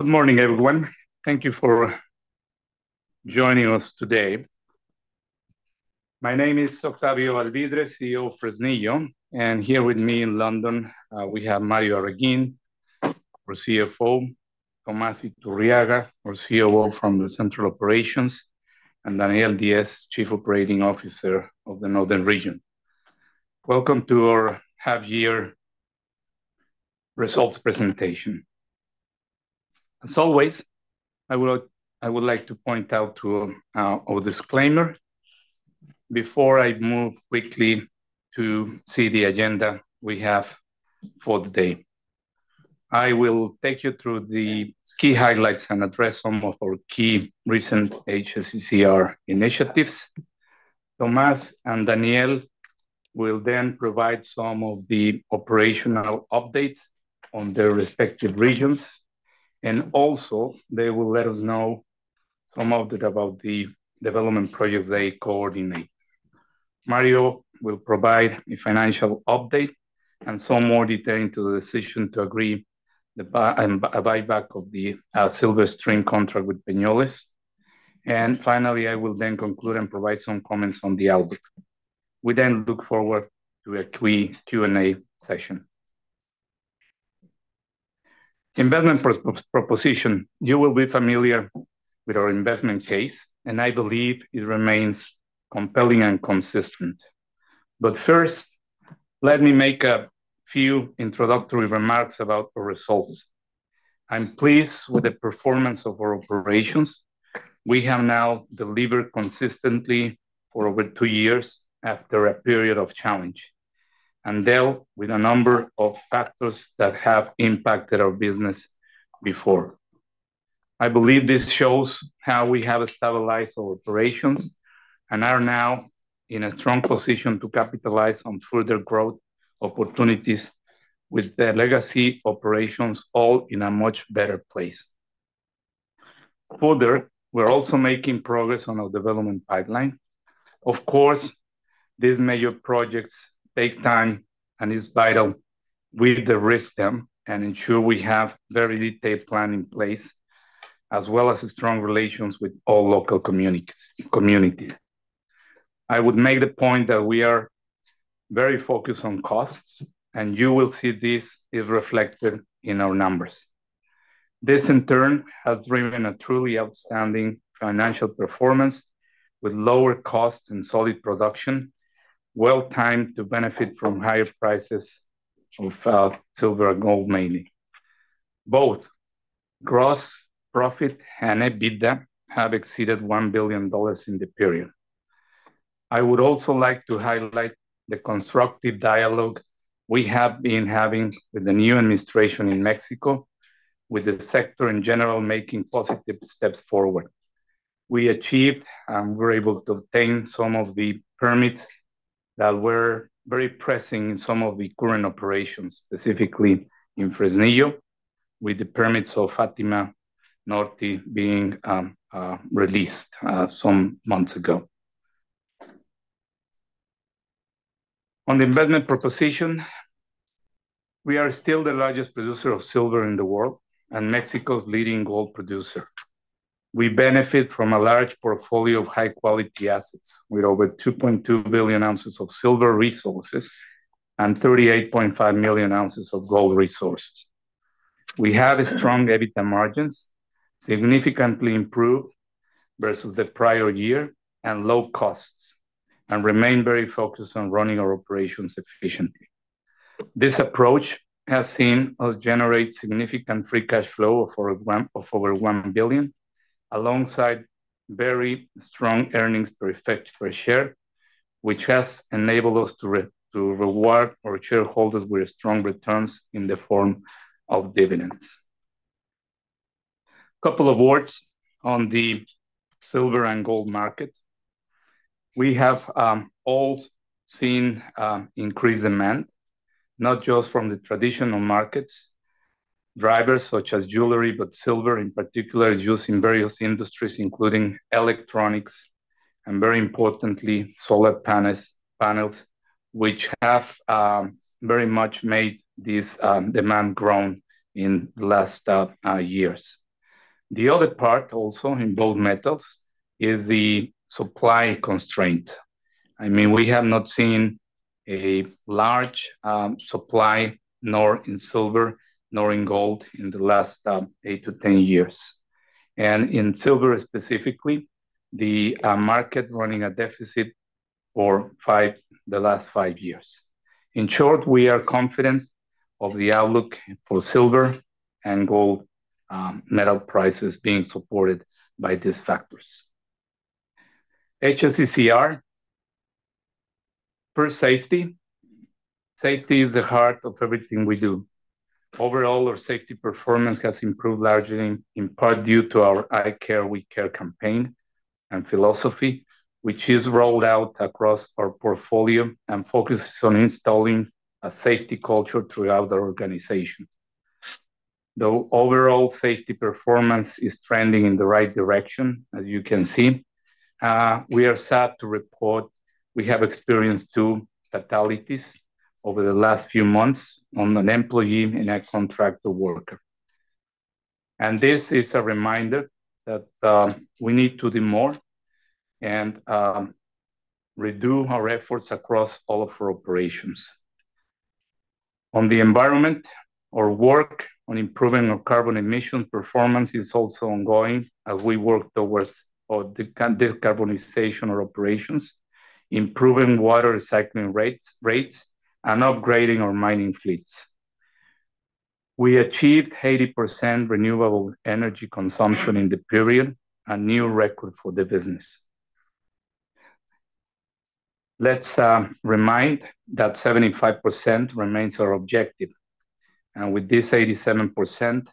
Good morning everyone. Thank you for joining us today. My name is Octavio Alvídrez, CEO of Fresnillo, and here with me in London we have Mario Arreguín, CFO, Tomás Iturriaga, COO from the Central Operations, and Daniel Diez, Chief Operating Officer of the Northern Region. Welcome to our half year results presentation. As always, I would like to point out our disclaimer before I move quickly to see the agenda we have for the day. I will take you through the key highlights and address some of our key recent HSCCR initiatives. Tomás and Daniel will then provide some of the operational updates on their respective regions and also they will let us know some of that about the development projects they coordinate. Mario will provide a financial update and some more detail into the decision to agree a buyback of the Silver Stream contract with Peñoles. Finally, I will then conclude and provide some comments on the outlook. We then look forward to a Q&A session in Belgium. Proposition. You will be familiar with our investment case and I believe it remains compelling and consistent. First, let me make a few introductory remarks about our results. I'm pleased with the performance of our operations. We have now delivered consistently for over two years after a period of challenge and dealt with a number of factors that have impacted our business before. I believe this shows how we have established our operations and are now in a strong position to capitalize on further growth opportunities with their legacy operations all in a much better place. Further, we're also making progress on our development pipeline. Of course, these major projects take time and it is vital we de-risk them and ensure we have a very detailed plan in place as well as strong relations with all local communities. I would make the point that we are very focused on costs and you will see this is reflected in our numbers. This in turn has driven a truly outstanding financial performance with lower costs and solid production well timed to benefit from higher prices of silver and gold. Mainly, both gross profit and EBITDA have exceeded $1 billion in the period. I would also like to highlight the constructive dialogue we have been having with the new administration in Mexico, with the sector in general making positive steps forward. We achieved and were able to obtain some of the permits that were very pressing in some of the current operations, specifically in Fresnillo, with the permits of Fátima Norte being released some months ago on the investment proposition. We are still the largest producer of silver in the world and Mexico's leading gold producer. We benefit from a large portfolio of high quality assets with over 2.2 billion ounces of silver resources and 38.5 million ounces of gold resources. We have strong EBITDA margins, significantly improved versus the prior year, and low costs and remain very focused on running our operations efficiently. This approach has seen us generate significant free cash flow of over $1 billion alongside very strong earnings per share, which has enabled us to reward our shareholders with strong returns in the form of dividends. Couple of words on the silver and gold market. We have all seen increased demand not just from the traditional market drivers such as jewelry, but silver in particular used in various industries including electronics and, very importantly, solar panels, which have very much made this demand grow in the last years. The other part also in both metals is the supply constraint. We have not seen a large supply, nor in silver nor in gold, in the last eight to ten years, and in silver specifically the market running a deficit for the last five years. In short, we are confident of the outlook for silver and gold metal prices being supported by these factors. HSCCR for Safety. Safety is the heart of everything we do. Overall, our safety performance has improved largely in part due to our I Care We Care campaign and philosophy, which is rolled out across our portfolio and focuses on installing a safety culture throughout our organization. Though overall safety performance is trending in the right direction, as you can see, we are sad to report we have experienced two fatalities over the last few months, one employee and one external contractor worker, and this is a reminder that we need to do more and redo our efforts across all of our operations. On the environment, our work on improving our carbon emission performance is also ongoing. We work towards decarbonization of our operations, improving water recycling rates, and upgrading our mining fleets. We achieved 80% renewable energy consumption in the period, a new record for the business. Let's remind that 75% remains our objective and with this 87%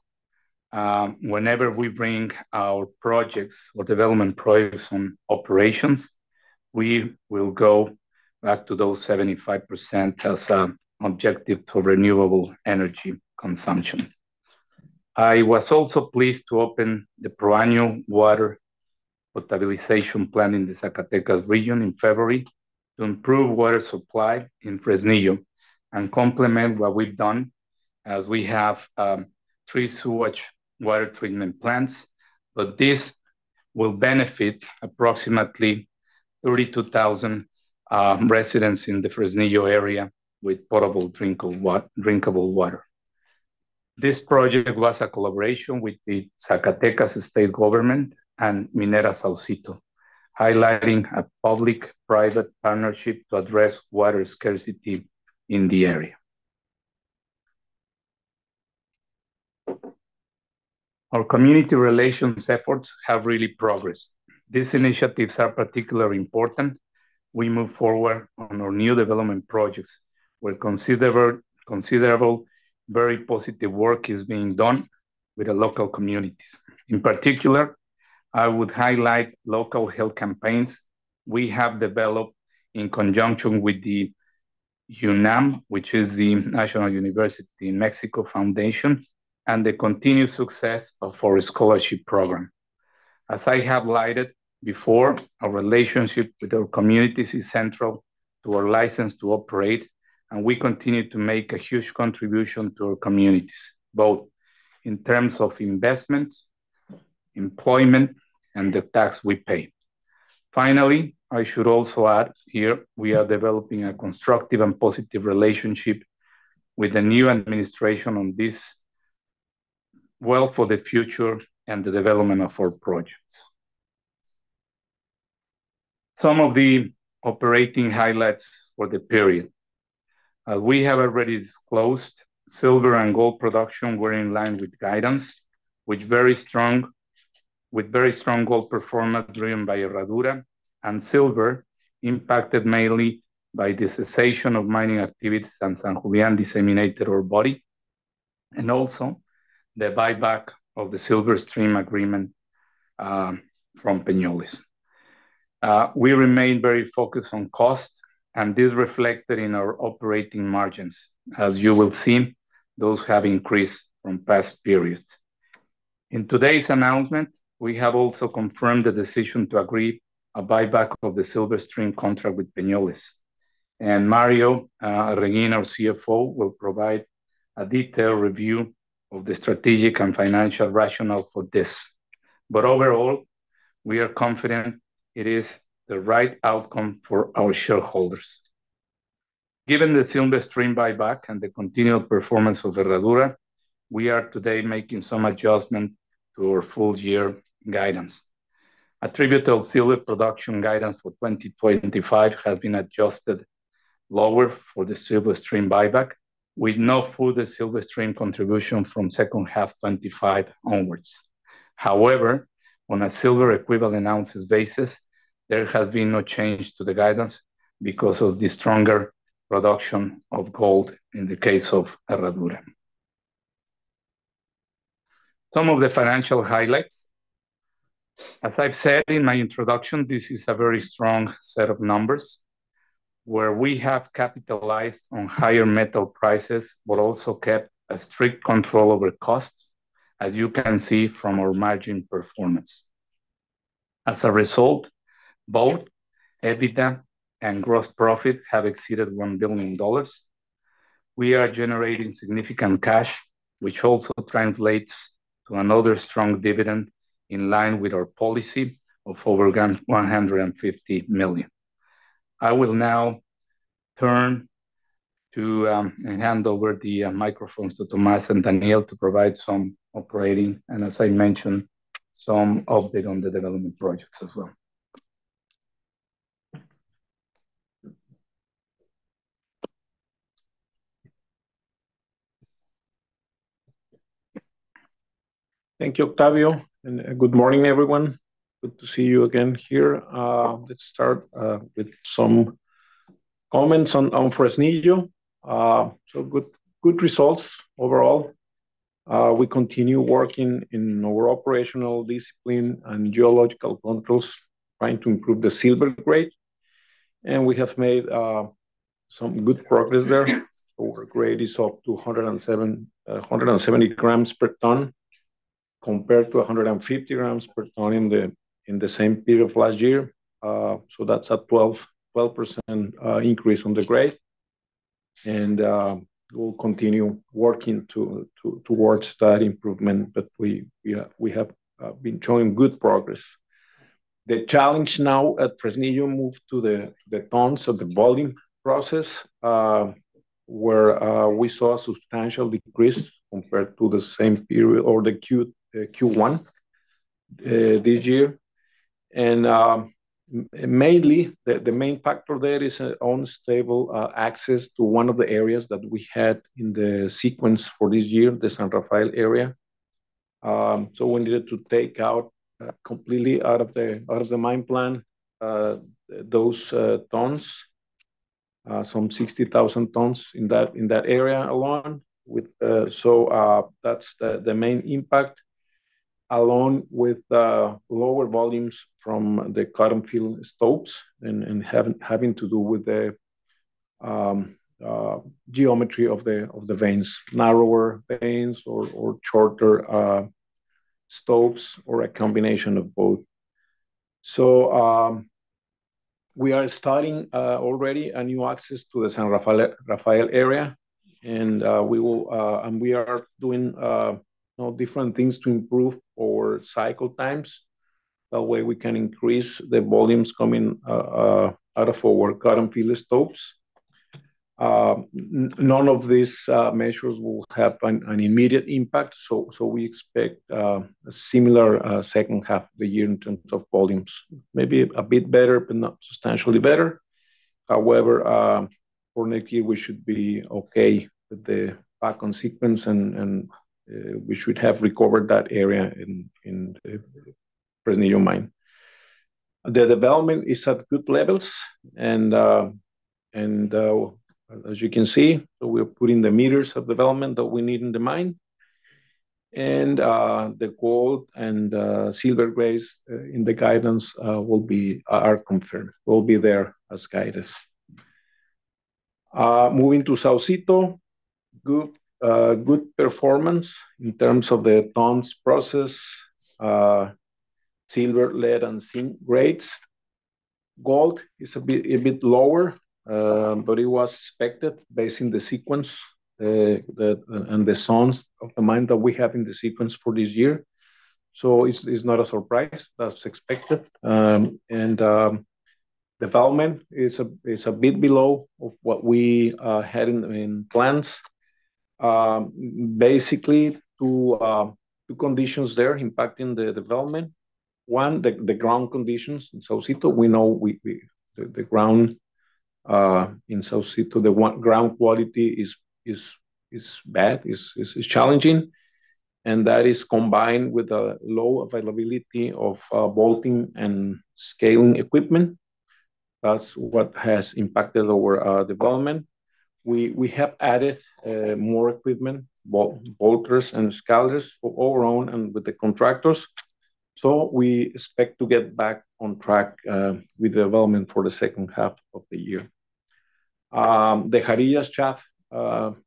whenever we bring our projects or development projects on operations, we will go back to those 75% as objective to renewable energy consumption. I was also pleased to open the per annual water in the Zacatecas region in February to improve water supply in Fresnillo and complement what we've done as we have three sewage water treatment plants, but this will benefit approximately 32,000 residents in the Fresnillo area with potable drinkable water. This project was a collaboration with the Zacatecas State government and Minera Saucito, highlighting a public private partnership to address water scarcity in the area. Our community relations efforts have really progressed. These initiatives are particularly important as we move forward on our new development projects where considerable very positive work is being done with the local communities. In particular, I would highlight local health campaigns we have developed in conjunction with the UNAM, which is the National University in Mexico foundation, and the continued success of our scholarship program. As I have highlighted before, our relationship with our communities is central to our license to operate and we continue to make a huge contribution to our communities both in terms of investments, employment, and the tax we pay. Finally, I should also add here we are developing a constructive and positive relationship with the new administration on this wealth for the future and the development of our projects. Some of the operating highlights for the period we have already disclosed: silver and gold production were in line with guidance with very strong gold performance driven by Herradura and silver impacted mainly by the cessation of mining activities, San Julián Disseminated Ore Body, and also the buyback of the Silver Stream agreement from Peñoles. We remain very focused on cost and this is reflected in our operating margins. As you will see, those have increased from past periods. In today's announcement, we have also confirmed the decision to agree a buyback of the Silver Stream contract with Peñoles and Mario Arreguín, our CFO, will provide a detailed review of the strategic and financial rationale for this, but overall we are confident it is the right outcome for our shareholders given the Silver Stream buyback and the continued performance of Herradura. We are today making some adjustments to our full year guidance. Attributable silver production guidance for 2025 has been adjusted lower for the Silver Stream buyback with no further Silver Stream contribution from second half 2025 onwards. However, on a silver-equivalent ounces basis there has been no change to the guidance because of the stronger production of gold in the case of Herradura. Some of the financial highlights, as I've said in my introduction, this is a very strong set of numbers where we have capitalized on higher metal prices but also kept a strict control over cost, as you can see from our margin performance. As a result, both EBITDA and gross profit have exceeded $1 billion. We are generating significant cash, which also translates to another strong dividend in line with our policy of over $150 million. I will now turn to hand over the microphones to Tomás and Daniel to provide some operating and, as I mentioned, some update on the development projects as well. Thank you, Octavio, and good morning, everyone. Good to see you again here. Let's start with some comments on Fresnillo, so good results overall. We continue working in our operational discipline and geological controls, trying to improve the silver grade, and we have made some good progress there. Our grade is up to 170 grams per ton compared to 150 grams per ton in the same period last year. That's a 12% increase on the grade. We'll continue working towards that improvement. We have been showing good progress. The challenge now at Fresnillo moved to the tons of the volume processed, where we saw a substantial decrease compared to the same period or Q1 this year. The main factor there is unstable access to one of the areas that we had in the sequence for this year, the San Rafael area. We needed to take out completely out of the mine plan those tons, some 60,000 tons in that area alone. That's the main impact, along with lower volumes from the cotton film stopes and having to do with. The. Geometry of the veins. Narrower veins or shorter stopes or a combination of both. We are starting already a new access to the San Rafael area. We are doing different things to improve our cycle times. That way we can increase the volumes coming out of our current field stopes. None of these measures will have an immediate impact. We expect a similar second half of the year in terms of volumes, maybe a bit better, but not substantially better. However, for Nicci we should be okay with the back on sequence and we should have recovered that area mine. The development is at good levels and as you can see we're putting the meters of development that we need in the mine. The gold and silver grades in the guidance are confirmed. Will be there as guidance. Moving to Saucito, good performance in terms of the tons processed. Silver, lead, and zinc grades. Gold is a bit lower, but it was expected based on the sequence and the zones of the mine that we have in the sequence for this year. It's not a surprise, that's expected. Development is a bit below what we had in plans. Basically, two conditions there impacting the development. One, the ground conditions in south. We know the ground in Saucito, the ground quality is bad, is challenging. That is combined with a low availability of bolting and scaling equipment. That's what has impacted our development. We have added more equipment, bolters and scalers overall and with the contractors. We expect to get back on track with development for the second half of the year. The herrillas shaft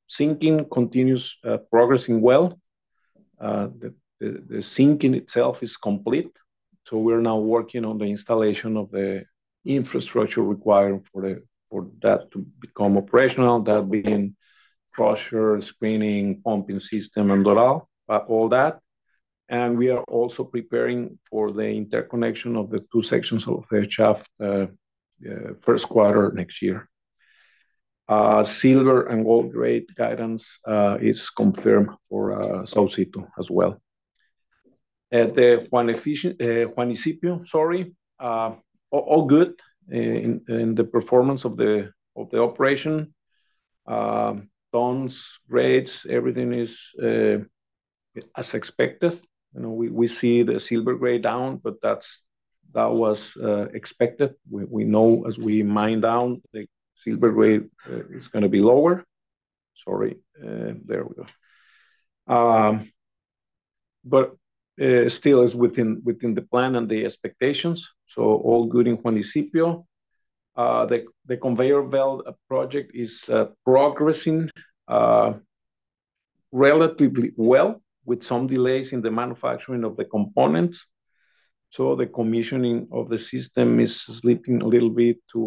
sinking continues progressing well. The sinking itself is complete. We are now working on the installation of the infrastructure required for that to become operational, that being crusher, screening, pumping system, and all that. We are also preparing for the interconnection of the two sections of HF first quarter next year. Silver and gold grade guidance is confirmed for Saucito as well. At Juanicipio, all good in the performance of the operation. Tons rates, everything is as expected. We see the silver grade down, but that was expected. We know as we mine down, the silver grade is going to be lower. Still, it is within the plan and the expectations. All good in Juanicipio, the conveyor belt project is progressing. Relatively well. Some delays in the manufacturing of the components. The commissioning of the system is slipping a little bit to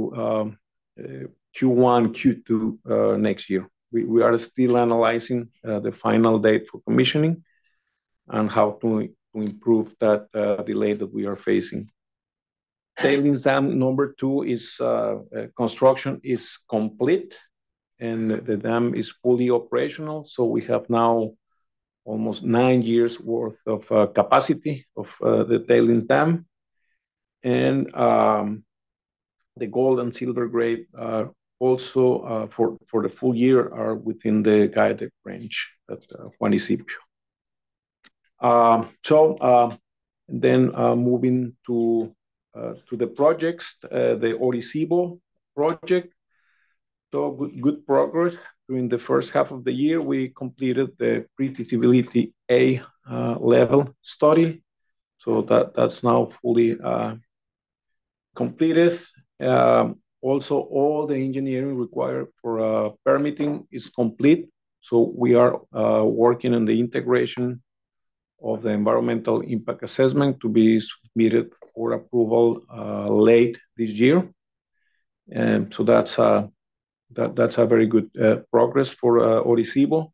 Q1, Q2 next year. We are still analyzing the final date for commissioning and how to improve that delay that we are facing. Tailings dam number two construction is complete and the dam is fully operational. We have now almost nine years' worth of capacity of the tailings dam. The gold and silver grade also for the full year are within the guided range at Juanicipio. Moving to the projects, the Orisyvo project, good progress during the first half of the year. We completed the pre-feasibility A level study, so that's now fully completed. Also, all the engineering required for permitting is complete. We are working on the integration of the environmental impact assessment to be submitted for approval late this year. That's very good progress for Orisyvo.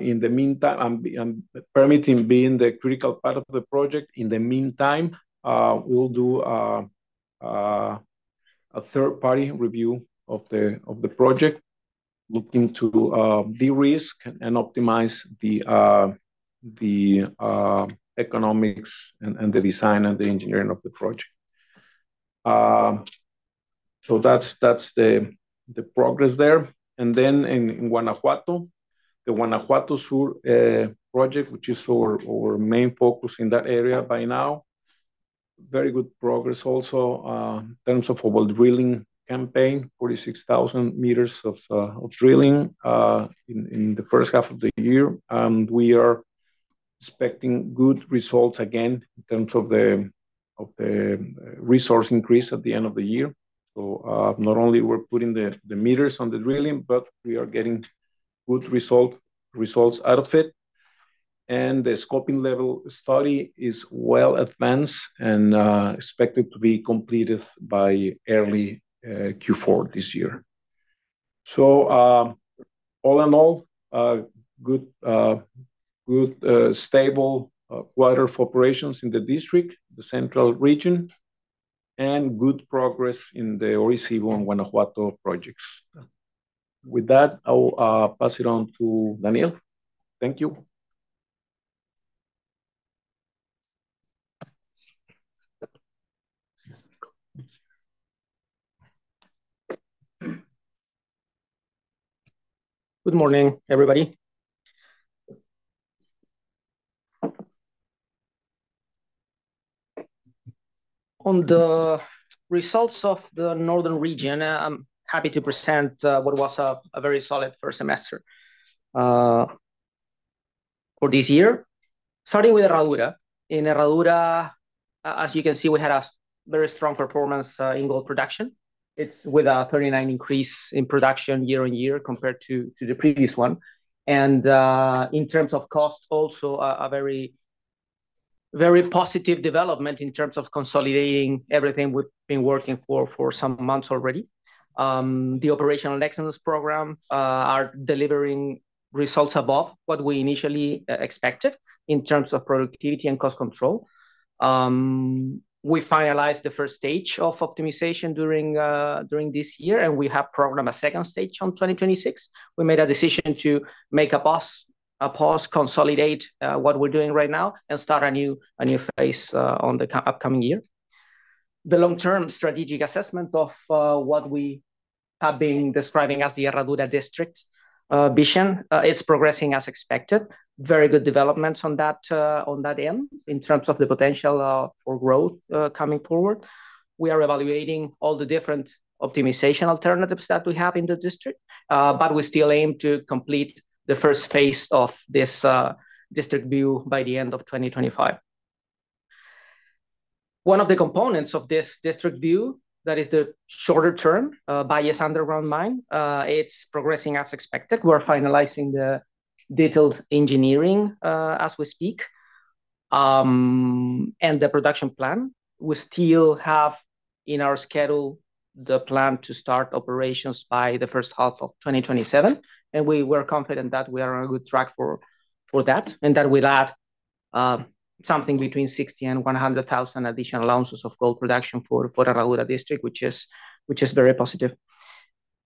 In the meantime, permitting being the critical part of the project. In the meantime we'll do. A third. Party review of the project looking to de-risk and optimize the economics and the design and the engineering of the project. That's the progress there. In Guanajuato, the Guanajuato Sur project, which is our main focus in that area by now, very good progress also in terms of our drilling campaign, 46,000 m of drilling in the first half of the year. We are expecting good results again in terms of the resource increase at the end of the year. Not only are we putting the meters on the drilling, but we are getting good results out of it. The scoping level study is well advanced and expected to be completed by early Q4 this year. All in all, good stable quarter of operations in the district, the central region, and good progress in the Orisyvo and Guanajuato projects. With that, I'll pass it on to Daniel. Thank you. Good morning everybody. On the results of the Northern Region. I'm happy to present what was a very solid first semester for this year starting with Herradura. As you can see, we had a very strong performance in gold production, with a 39% increase in production year on year compared to the previous one. In terms of cost, also a very, very positive development in terms of consolidating everything we've been working for for some months already. The operational exitus program is delivering results above what we initially expected in terms of productivity and cost control. We finalized the first stage of optimization during this year and we have programmed a second stage in 2026. We made a decision to make a pause, consolidate what we're doing right now and start a new phase in the upcoming year. The long-term strategic assessment of what we have been describing as the Herradura district vision is progressing as expected. Very good developments on that end in terms of the potential for growth coming forward. We are evaluating all the different optimization alternatives that we have in the district. We still aim to complete the first phase of this district view by the end of 2025. One of the components of this district view, that is the shorter-term bias underground mine, is progressing as expected. We're finalizing the detailed engineering as we speak and the production plan. We still have in our schedule the plan to start operations by the first half of 2027. We're confident that we are on a good track for that and that we'll add something between 60,000 and 100,000 additional ounces of gold production for Herradura district, which is very positive.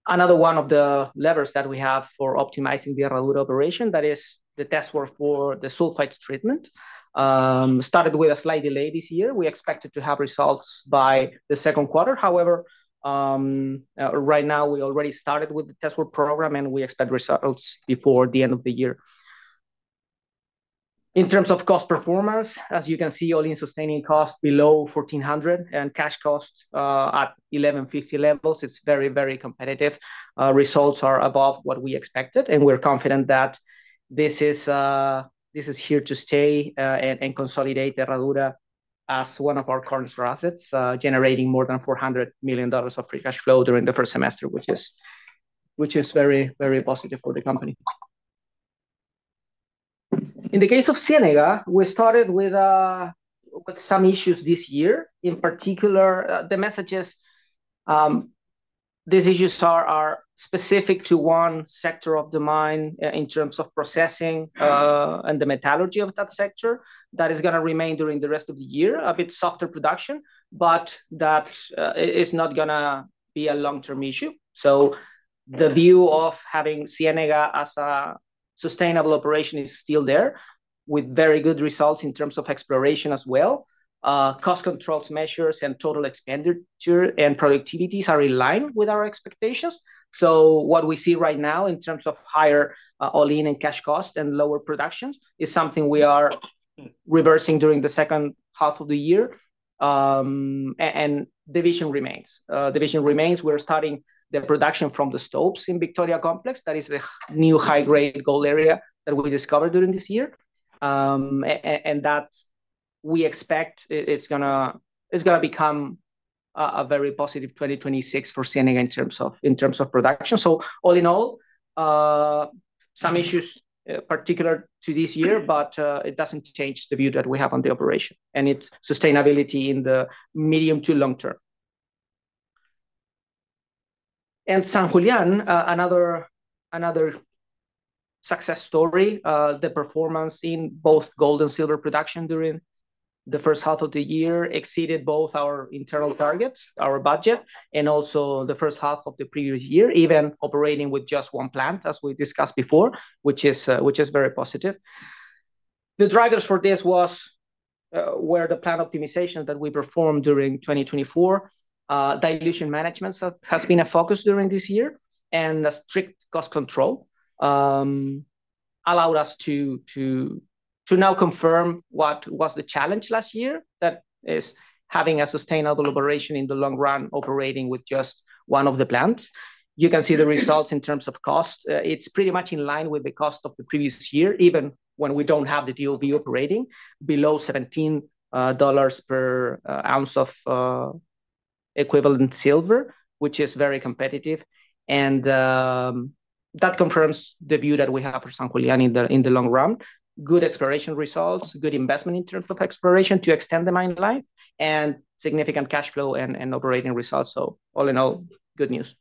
Another one of the levers that we have for optimizing the Herradura operation, that is the test work for the sulfide treatment, started with a slight delay this year. We expected to have results by the second quarter. However, right now we already started with the test work program and we expect results before the end of the year. In terms of cost performance, as you can see, all-in sustaining costs below $1,400 and cash costs at $1,150 levels. It's very, very competitive. Results are above what we expected and we're confident that this is here to stay and consolidate Herradura as one of our cornerstone assets generating more than $400 million of free cash flow during the first semester, which is very, very positive for the company. In the case of Cienega. We started with some issues this year. In particular, the message is these issues are specific to one sector of the mine in terms of processing and the metallurgy of that sector. That is going to remain during the rest of the year. A bit softer production, but that is not going to be a long term issue. The view of having Cienega as a sustainable operation is still there with very good results in terms of exploration as well. Cost controls, measures, and total expenditure and productivities are in line with our expectations. What we see right now in terms of higher all-in and cash cost and lower productions is something we are reversing during the second half of the year. Division remains. We're starting the production from the stopes in Victoria complex. That is the new high grade gold area that we discovered during this year and that we expect is going to become a very positive 2026 for Cienega in terms of production. All in all, some issues particular to this year, but it doesn't change the view that we have on the operation and its sustainability in the medium to long term. San Julián, another success story. The performance in both gold and silver production during the first half of the year exceeded both our internal targets, our budget, and also the first half of the previous year. Even operating with just one plant, as we discussed before, which is very positive. The drivers for this were the plant optimization that we performed during 2024. Dilution management has been a focus during this year and a strict cost control allowed us to now confirm what was the challenge last year. That is having a sustainable operation in the long run, operating with just one of the plants. You can see the results in terms of cost. It's pretty much in line with the cost of the previous year, even when we don't have the DOV operating below $17 per ounce of equivalent silver, which is very competitive. That confirms the view that we have for San Julián in the long run. Good exploration results, good investment in terms of exploration to extend the mine life, and significant cash flow and operating results. All in all, good news.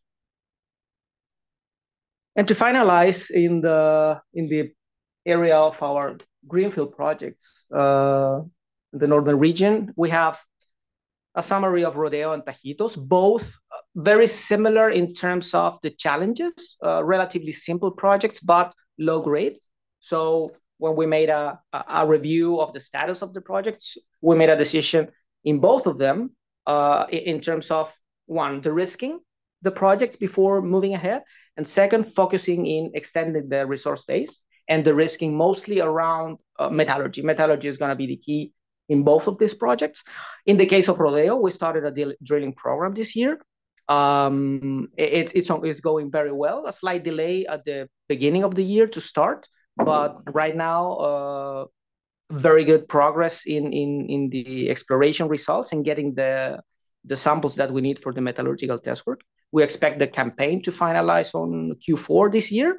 To finalize in the area of our greenfield projects, the Northern region, we have a summary of Rodeo and Tajitos. Both very similar in terms of the challenges. Relatively simple projects, but low grade. When we made a review of the status of the projects, we made a decision in both of them in terms of, one, de-risking the projects before moving ahead, and second, focusing on extending the resource base and de-risking mostly around metallurgy. Metallurgy is going to be the key in both of these projects. In the case of Rodeo, we started a drilling program this year. It's going very well. There was a slight delay at the beginning of the year to start, but right now there is very good progress in the exploration results and getting the samples that we need for the metallurgical test work. We expect the campaign to finalize in Q4 this year,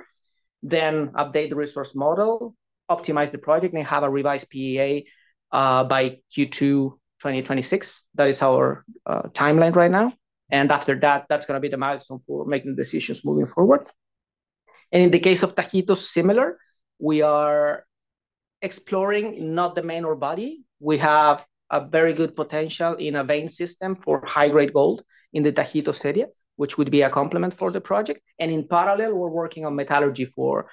then update the resource model, optimize the project, and have a revised PEA by Q2 2026. That is our timeline right now. After that, that's going to be the milestone for making decisions moving forward. In the case of Tajitos, similar, we are exploring not the main ore body. We have very good potential in a vein system for high-grade gold in the Tajitos area, which would be a complement for the project. In parallel, we're working on metallurgy for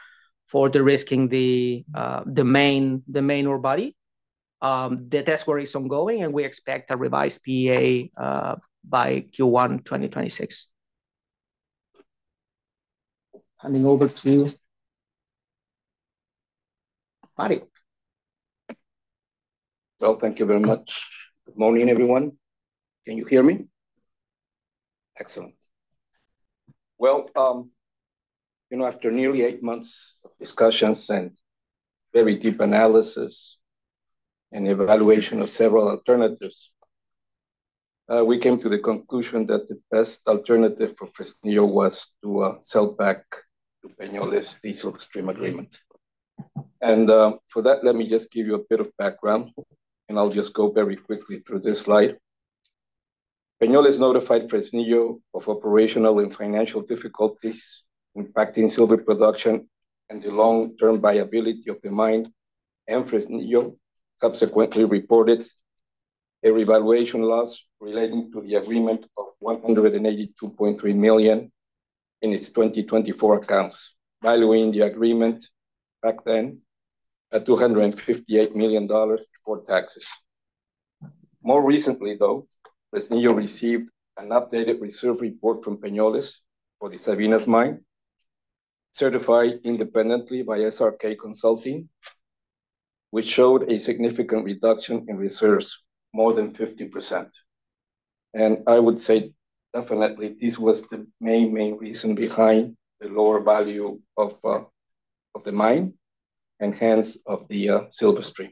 de-risking the main ore body. The test work is ongoing, and we expect a revised PEA by Q1 2026. Handing over to you, Mario. Thank you very much. Good morning everyone. Can you hear me? Excellent. After nearly eight months of discussions and very deep analysis and evaluation of several alternatives, we came to the conclusion that the best alternative for Fresnillo was to sell back to Peñoles the Silver Stream agreement. For that, let me just give you a bit of background and I'll just go very quickly through this slide. Peñoles has notified Fresnillo of operational and financial difficulties impacting silver production and the long-term viability of the mine. Fresnillo subsequently reported a revaluation loss relating to the agreement of $182.3 million in its 2024 accounts, valuing the agreement back then at $258 million before taxes. More recently, though, Fresnillo received an updated reserve report from Peñoles for the Sabinas mine certified independently by SRK Consulting, which showed a significant reduction in reserves, more than 15%. I would say definitely this was the main reason behind the lower value of the mine and hence of the Silver Stream.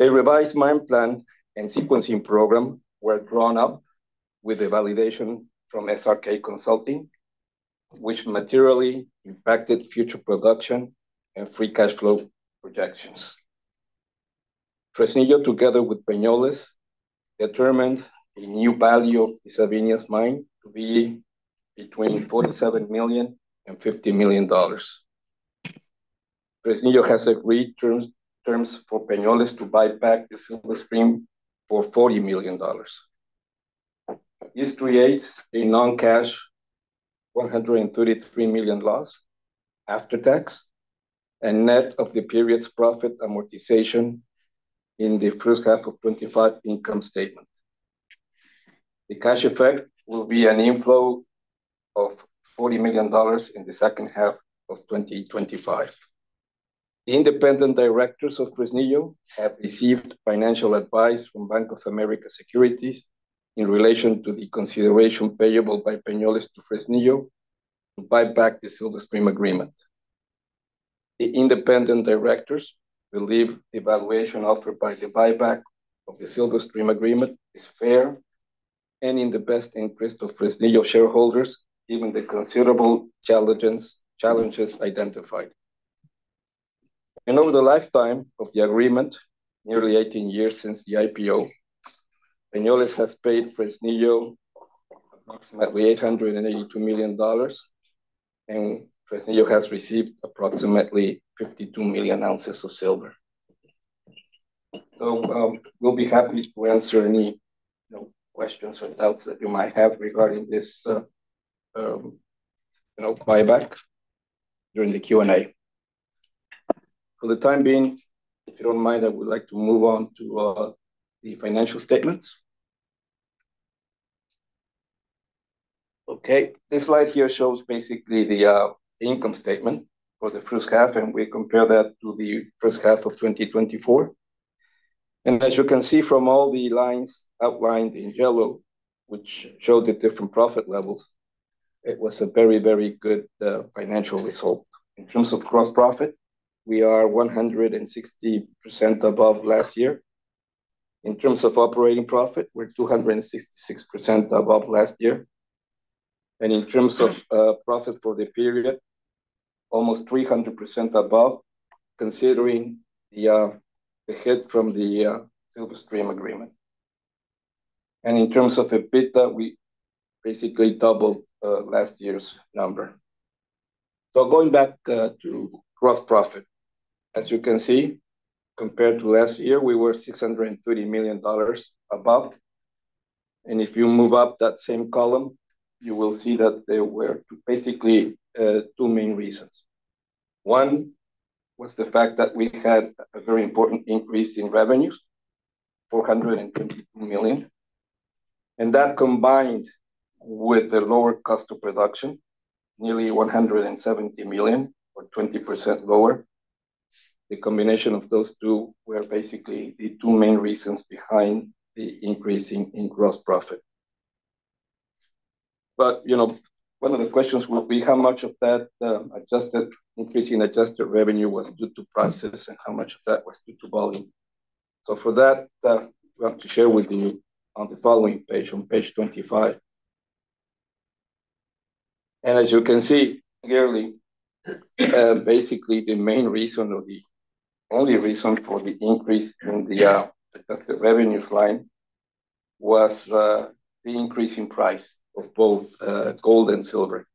A revised mine plan and sequencing program were drawn out with the validation from SRK Consulting, which materially impacted future production and free cash flow projections. Fresnillo, together with Peñoles, determined the new value of the Sabinas mine to be between $47 million and $50 million. Fresnillo has agreed terms for Peñoles to buy back the Silver Stream for $40 million. This creates a non-cash $133 million loss after tax and net of the period's profit amortization in the first half of the 2025 income statement. The cash effect will be an inflow of $40 million in the second half of 2025. The independent directors of Fresnillo have received financial advice from Bank of America Securities in relation to the consideration payable by Peñoles to Fresnillo to buy back the Silver Stream agreement. The independent directors believe the valuation offered by the buyback of the Silver Stream agreement is fair and in the best interest of Fresnillo shareholders given the considerable challenges identified. Over the lifetime of the agreement, nearly 18 years since the IPO, Peñoles has paid Fresnillo approximately $882 million and Fresnillo has received approximately 52 million ounces of silver. We'll be happy to answer any questions or doubts that you might have regarding this buyback during the Q&A. For the time being, if you don't mind, I would like to move on to the financial statements. Okay, this slide here shows basically the income statement for the first half and we compare that to the first half of 2024. As you can see from all the lines outlined in yellow which show the different profit levels, it was a very, very good financial result. In terms of gross profit, we are 160% above last year. In terms of operating profit, we're 266% above last year. In terms of profit for the period, almost 300% above considering the hit from the Silver Stream contract. In terms of EBITDA, we basically doubled last year's number. Going back to gross profit, as you can see, compared to last year, we were $630 million above. If you move up that same column, you will see that there were basically two main reasons. One was the fact that we had a very important increase in revenues, $420 million. That combined with the lower cost of production, nearly $170 million or 20% lower, the combination of those two were basically the two main reasons behind the increase in gross profit. One of the questions will be how much of that adjusted increase in adjusted revenue was due to prices and how much of that was due to volume. For that we have to share with you on the following page, on page 25. As you can see clearly, basically the main reason, or the only reason for the increase in the revenues line was the increase in price of both gold and silver.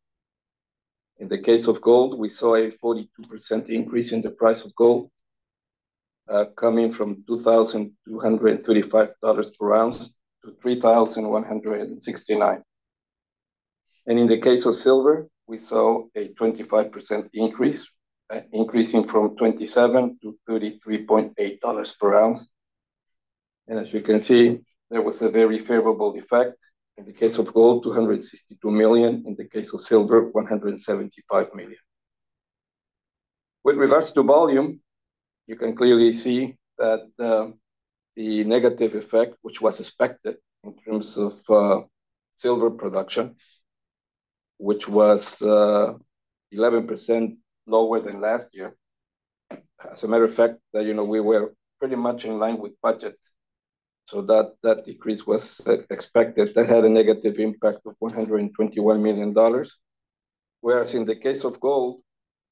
In the case of gold, we saw a 42% increase in the price of gold coming from $2,235 per ounce to $3,169. In the case of silver, we saw a 25% increase increasing from $27-$33.80 per ounce. As you can see, there was a very favorable effect. In the case of gold, $262 million. In the case of silver, $175 million. With regards to volume, you can clearly see that the negative effect which was expected in terms of silver production, which was 11% lower than last year, as a matter of fact, we were pretty much in line with budget. That decrease was expected. That had a negative impact of $121 million. Whereas in the case of gold,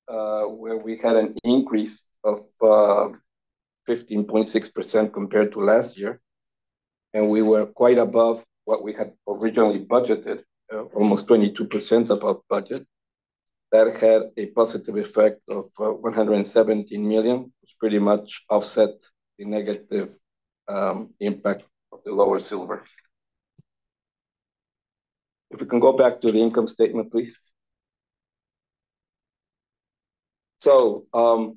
where we had an increase of 15.6% compared to last year, and we were quite above what we had originally budgeted, almost 22% above budget, that had a positive effect of $117 million, which pretty much offset the negative impact of the lower silver. If we can go back to the income statement, please. The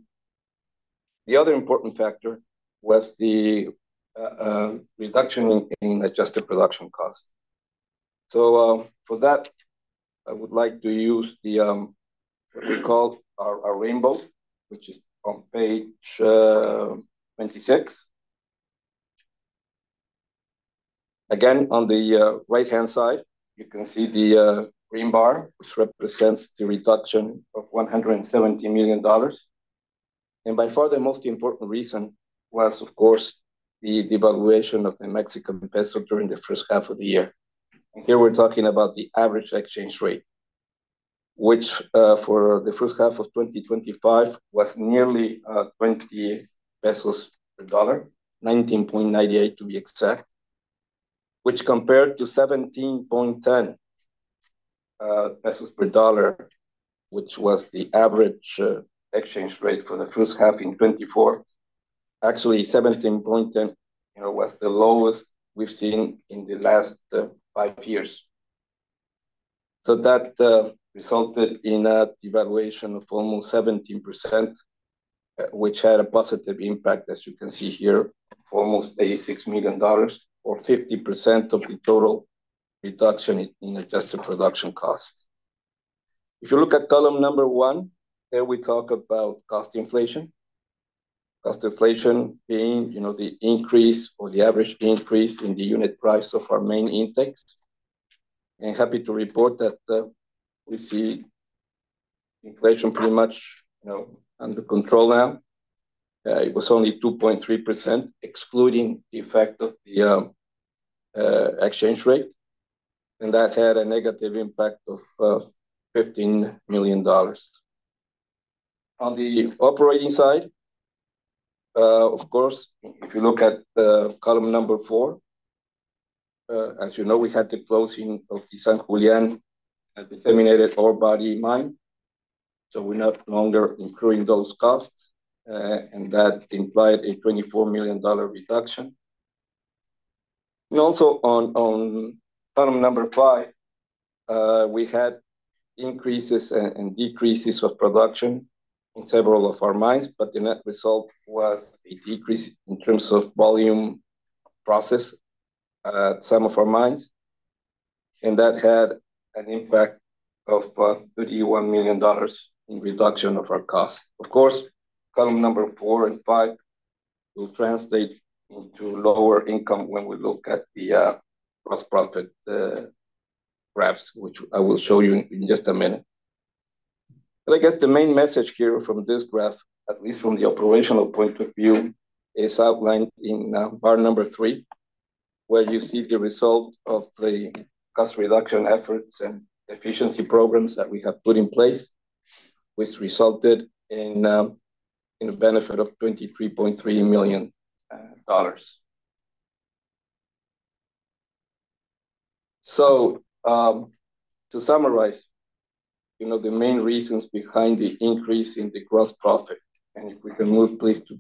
other important factor was the reduction in adjusted production costs. For that I would like to use the. We call our rainbow, which is on page 26. Again, on the right hand side you can see the green bar, which represents the reduction of $170 million. By far the most important reason was, of course, the devaluation of the Mexican peso during the first half of the year. Here we're talking about the average exchange rate, which for the first half of 2025 was nearly 20 pesos per dollar, 19.98 to be exact, which compared to 17.10 per dollar, which was the average exchange rate for the first half in 2024. Actually, 17.10 was the lowest we've seen in the last five years. That resulted in a devaluation of almost 17%, which had a positive impact, as you can see here, almost $86 million, or 50% of the total reduction in adjusted production costs. If you look at column number one here, we talk about cost inflation, cost inflation being the increase or the average increase in the unit price of our main index. Happy to report that we see inflation pretty much under control now. It was only 2.3%, excluding the effect of the exchange rate, and that had a negative impact of $15 million on the operating side. Of course, if you look at column number four, as you know, we had the closing of the San Julián disseminated ore body mine, so we're no longer incurring those costs. That implied a $24 million reduction. Also on number five, we had increases and decreases of production in several of our mines, but the net result was a decrease in terms of volume processed at some of our mines. That had an impact of about $31 million in reduction of our cost. Of course, column number four and five will translate into lower income when we look at the gross profit graphs, which I will show you in just a minute. I guess the main message here from this graph, at least from the operational point of view, is outlined in bar number three where you see the result of the cost reduction efforts and efficiency programs that we have put in place, which resulted in a benefit of $23.3 million. To summarize the main reasons behind the increase in the gross profit, if we can move please to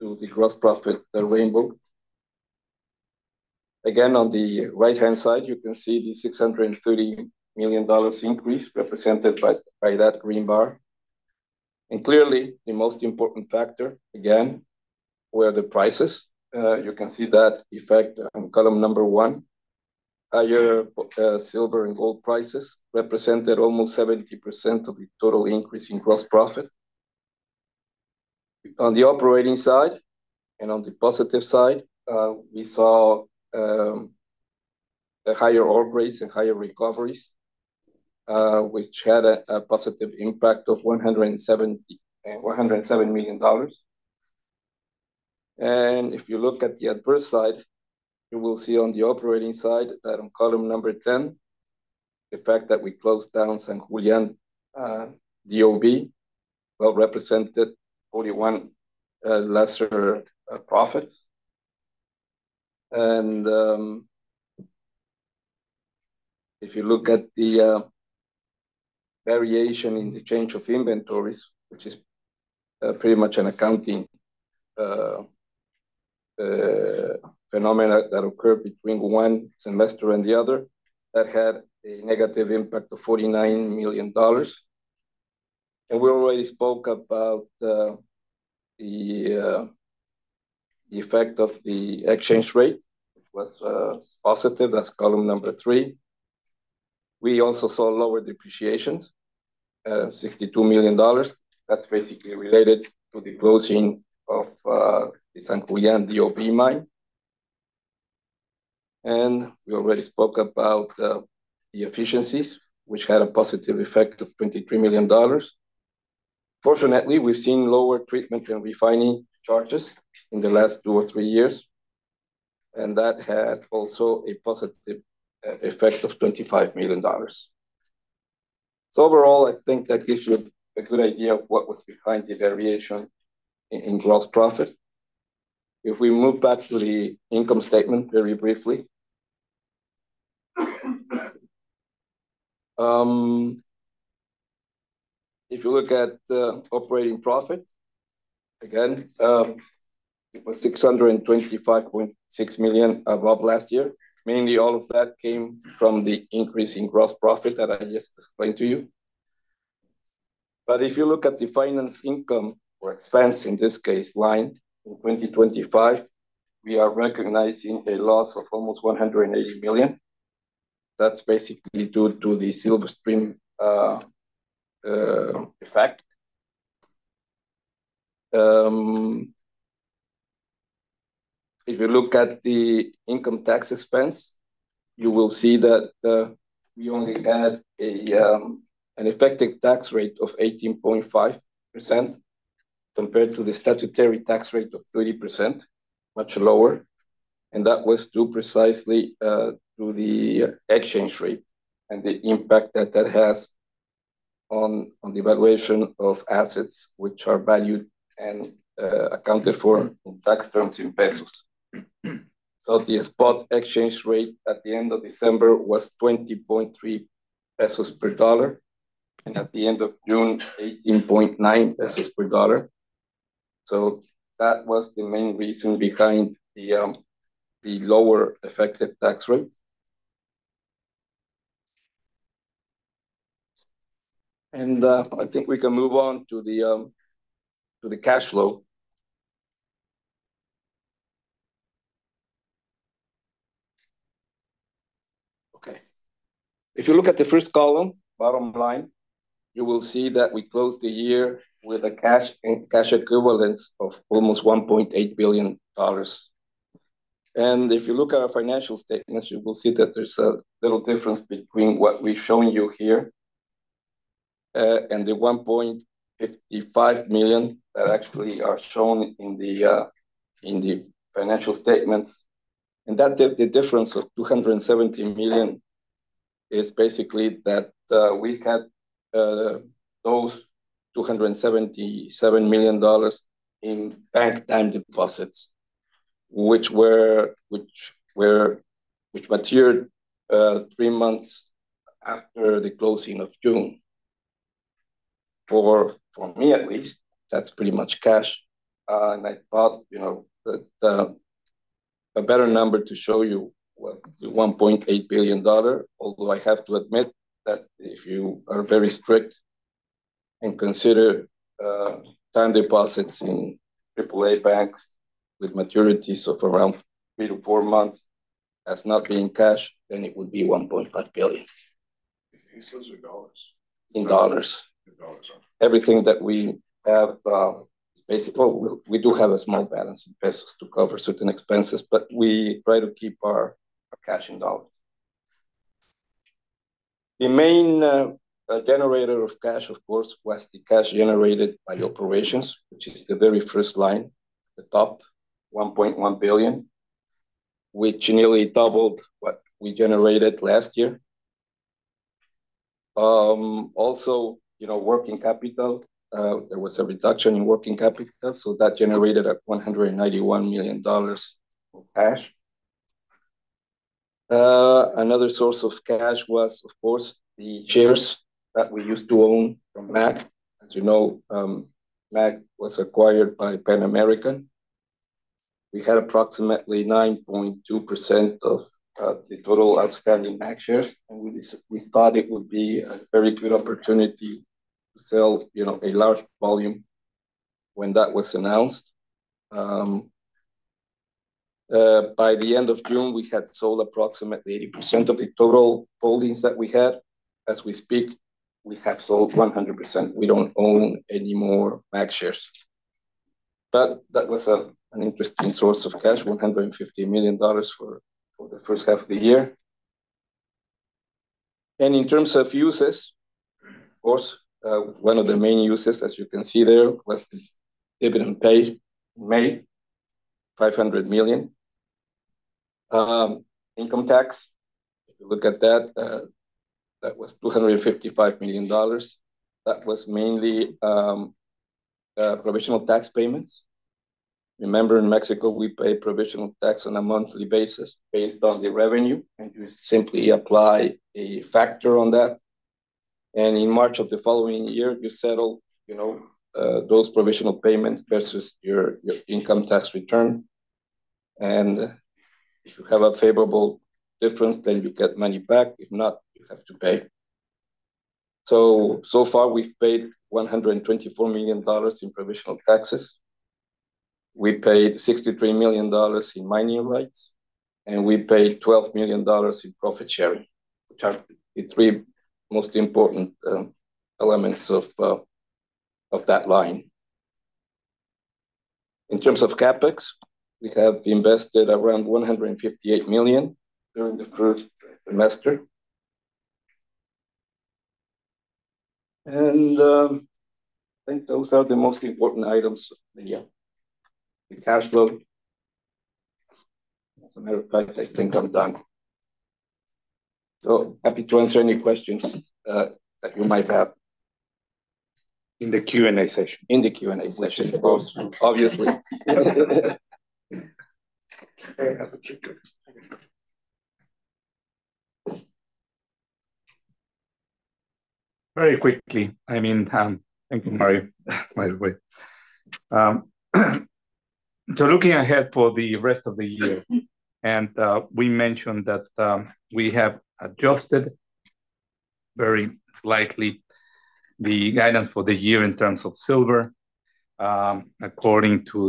the gross profit rainbow again, on the right hand side you can see the $630 million increase represented by that rebar. Clearly the most important factor again were the prices. You can see that effect on column number one, higher silver and gold prices represented almost 70% of the total increase in gross profit on the operating side. On the positive side, we saw higher ore grades and higher recoveries, which had a positive impact of $107 million. If you look at the adverse side, you will see on the operating side that on column number 10, the fact that we closed down San Julián Dov well represented only one lesser profits. And. If you look at the variation in the change of inventories, which is pretty much an accounting phenomenon that occurred between one semester and the other, that had a negative impact of $49 million. We already spoke about the effect of the exchange rate was positive. As column number three, we also saw lower depreciations, $62 million. That's basically related to the closing of the Sankuyan DOP mine. We already spoke about the efficiencies which had a positive effect of $23 million. Fortunately, we've seen lower treatment and refining charges in the last two or three years. That had also a positive effect of $25 million. Overall, I think that gives you a good idea of what was behind the variation in gross profit. If we move back to the income statement very briefly, if you look at the operating profit again, it was $625.6 million above last year. Mainly all of that came from the increase in gross profit that I just explained to you. If you look at the finance income or expense in this case line in 2025, we are recognizing a loss of almost $180 million. That's basically due to the Silver Stream effect. If you look at the income tax expense, you will see that we only had an effective tax rate of 18.5% compared to the statutory tax rate of 30%, much lower. That was due precisely to the exchange rate and the impact that that has on the valuation of assets which are valued and accounted for tax terms in pesos. The spot exchange rate at the end of December was 20.3 and at the end of June 18.9 pesos per dollar. That was the main reason behind the lower effective tax rate. I think we can move on to the cash flow. If you look at the first column, bottom line, you will see that we closed the year with a cash cash equivalence of almost $1.8 billion. If you look at our financial statements, you will see that there's a little difference between what we're showing you here and the $1.5 billion that actually are shown in the financial statements. The difference of $277 million is basically that we had those $277 million in PAC time deposits which matured three months after the closing of June. For me, that's pretty much cash. I thought, you know, that a better number to show you is $1.8 billion. Although I have to admit that if you are very strict and consider time deposits in AAA bank with maturities of around three to four months, that's not being cash, then it would be $1.5 billion. He sells your dollars in dollars. Everything that we have, basically we do have a small balance in pesos to cover certain expenses, but we try to keep our cash in dollars. The main generator of cash, of course, was the cash generated by operations, which is the very first line, the top $1.1 billion, which nearly doubled what we generated last year. Also, you know, working capital. There was a reduction in working capital, so that generated $191 million of cash. Another source of cash was, of course, the shares that we used to own from MAG. As you know, MAG was acquired by Pan American. We had approximately 9.2% of the total outstanding MAG shares. We thought it would be a very good opportunity to sell a large volume. When that was announced, by the end of June, we had sold approximately 80% of the total holdings that we had. As we speak, we have sold 100%. We don't own any more MAG shares. That was an interesting source of cash, $150 million for the first half of the year. In terms of uses, of course, one of the main uses, as you can see, there was this dividend pay, May $500 million income tax. Look at that. That was $255 million. That was mainly provisional tax payments. Remember in Mexico we pay provisional tax on a monthly basis based on the revenue. You simply apply a factor on that and in March of the following year you settle those provisional payments versus your income tax return, and if you have a favorable difference then you get money back. If not, you have to pay. So far we've paid $124 million in provisional taxes, we've paid $63 million in mining rights, and we've paid $12 million in profit sharing, which are the three most important elements of that line. In terms of CapEx, we have invested around $158 million during the first semester, and I think those are the most important items in cash flow. Matter of. fact, I think I'm done, so happy to answer any questions that we might have. Have in the Q&A session. In the Q&A session, obviously. Very quickly, I mean thank you, Mario. By the way. Looking ahead for the rest of the year, we mentioned that we have adjusted very slightly the guidance for the year in terms of silver according to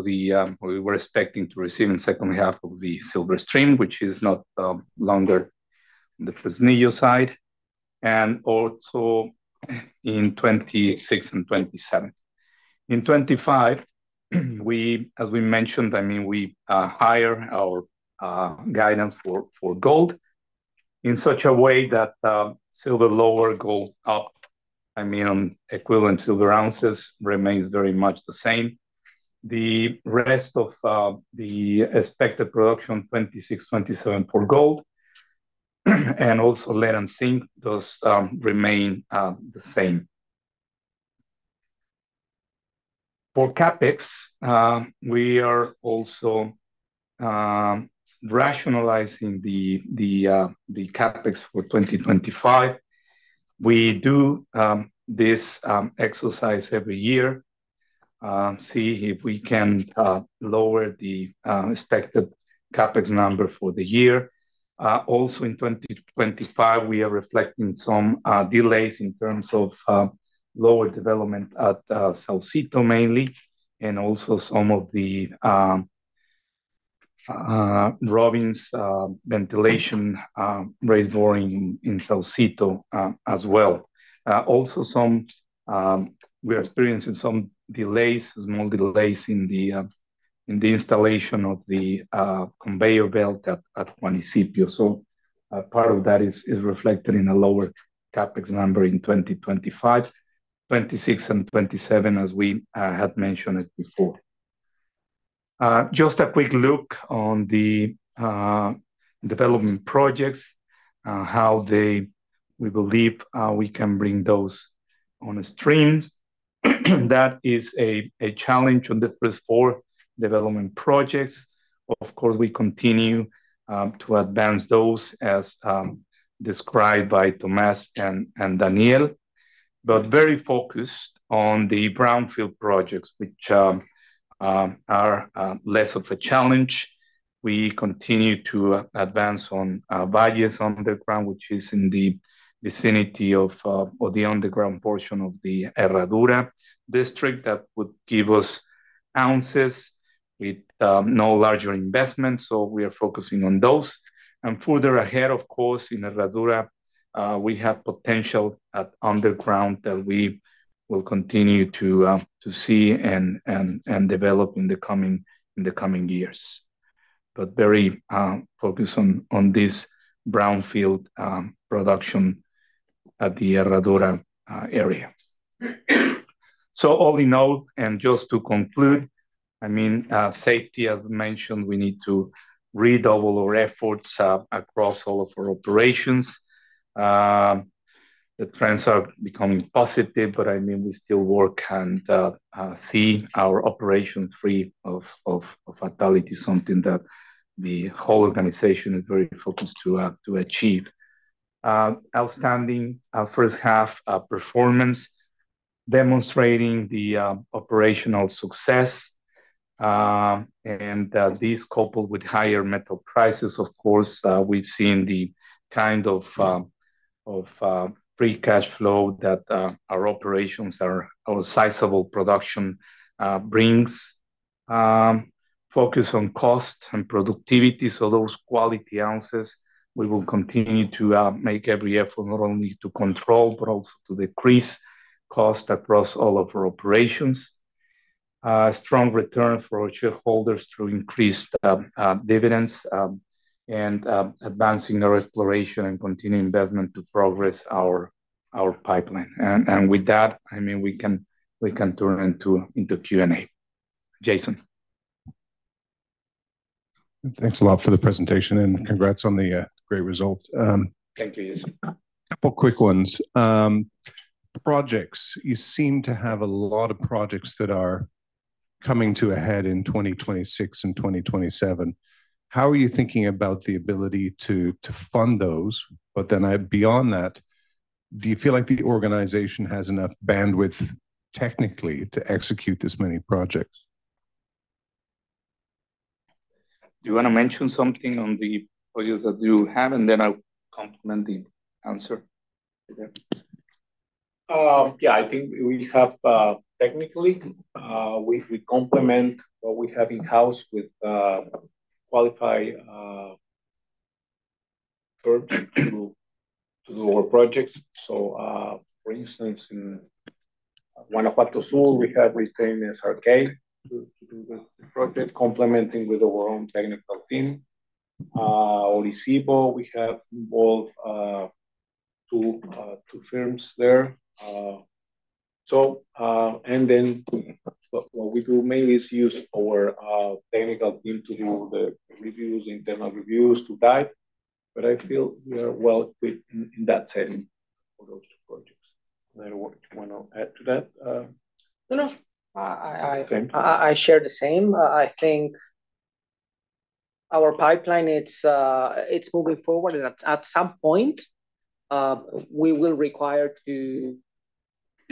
what we were expecting to receive in the second half of the Silver Stream, which is no longer the Fresnillo side, and also in 2026 and 2027. In 2025, as we mentioned, we higher our guidance for gold in such a way that silver lower gold, I mean equivalent silver ounces, remains very much the same. The rest of the expected production in 2026 and 2027 for gold and also lead and zinc, those remain the same. For CapEx, we are also rationalizing the CapEx for 2025. We do this exercise every year to see if we can lower the expected CapEx number for the year. In 2025, we are reflecting some delays in terms of lower development at Saucito mainly, and also some of the Robbins ventilation raise boring in Saucito as well. We are experiencing some small delays in the installation of the conveyor belt at Juanicipio, so part of that is reflected in a lower CapEx number in 2025, 2026, and 2027 as we had mentioned before. A quick look on the development projects, how we believe we can bring those on stream, that is a challenge on the four development projects. Of course, we continue to advance those as described by Tomás and Daniel, but got very focused on the brownfield projects, which are less of a challenge. We continue to advance on Valles on the ground, which is in the vicinity of the underground portion of the Herradura district. That would give us ounces with no larger investment, so we are focusing on those. Further ahead, in Herradura, we have potential underground that we will continue to see and develop in the coming years, but very focused on this brownfield production at the Herradura area. All in all, just to conclude, safety as mentioned, we need to redouble our efforts across all of our operations. The trends are becoming positive. We still work and see our operation free of fatality, something that the whole organization is very focused to achieve. Outstanding first half performance demonstrating the operational success, and these coupled with higher metal prices, we've seen the kind of free cash flow that our operations, our sizable production brings. Focus on cost and productivity, so those quality ounces we will continue to make every effort not only to control but also to decrease cost across all of our operations. Strong return for our shareholders through increased dividends and advancing our exploration and continued investment to progress our pipeline. With that, we can turn into Q and A. Jason. Thanks a. lot for the presentation and congrats on the great result. Thank you. Couple quick ones. Projects. You seem to have a lot of. Projects that are coming to a head in 2026 and 2027, how are you thinking about the ability to fund those? Beyond that, do you feel like the organization has enough bandwidth technically to execute this many projects? Do you want to mention something on the projects that you have, and then I'll compliment the answer? Yeah, I think we have, technically, we complement what we have in house with. Qualified. Terms to do our projects. For instance, in Guanajuato Sur, we have within Saucito project complementing with our own technical team, or we have both two terms there. So. What we do mainly is use our technical team to do the reviews, internal reviews to guide. I feel we are well in. That setting for those two projects. Neil, what do you want to add to that? No, I share the same. I think our pipeline is moving forward. At some point, we will require to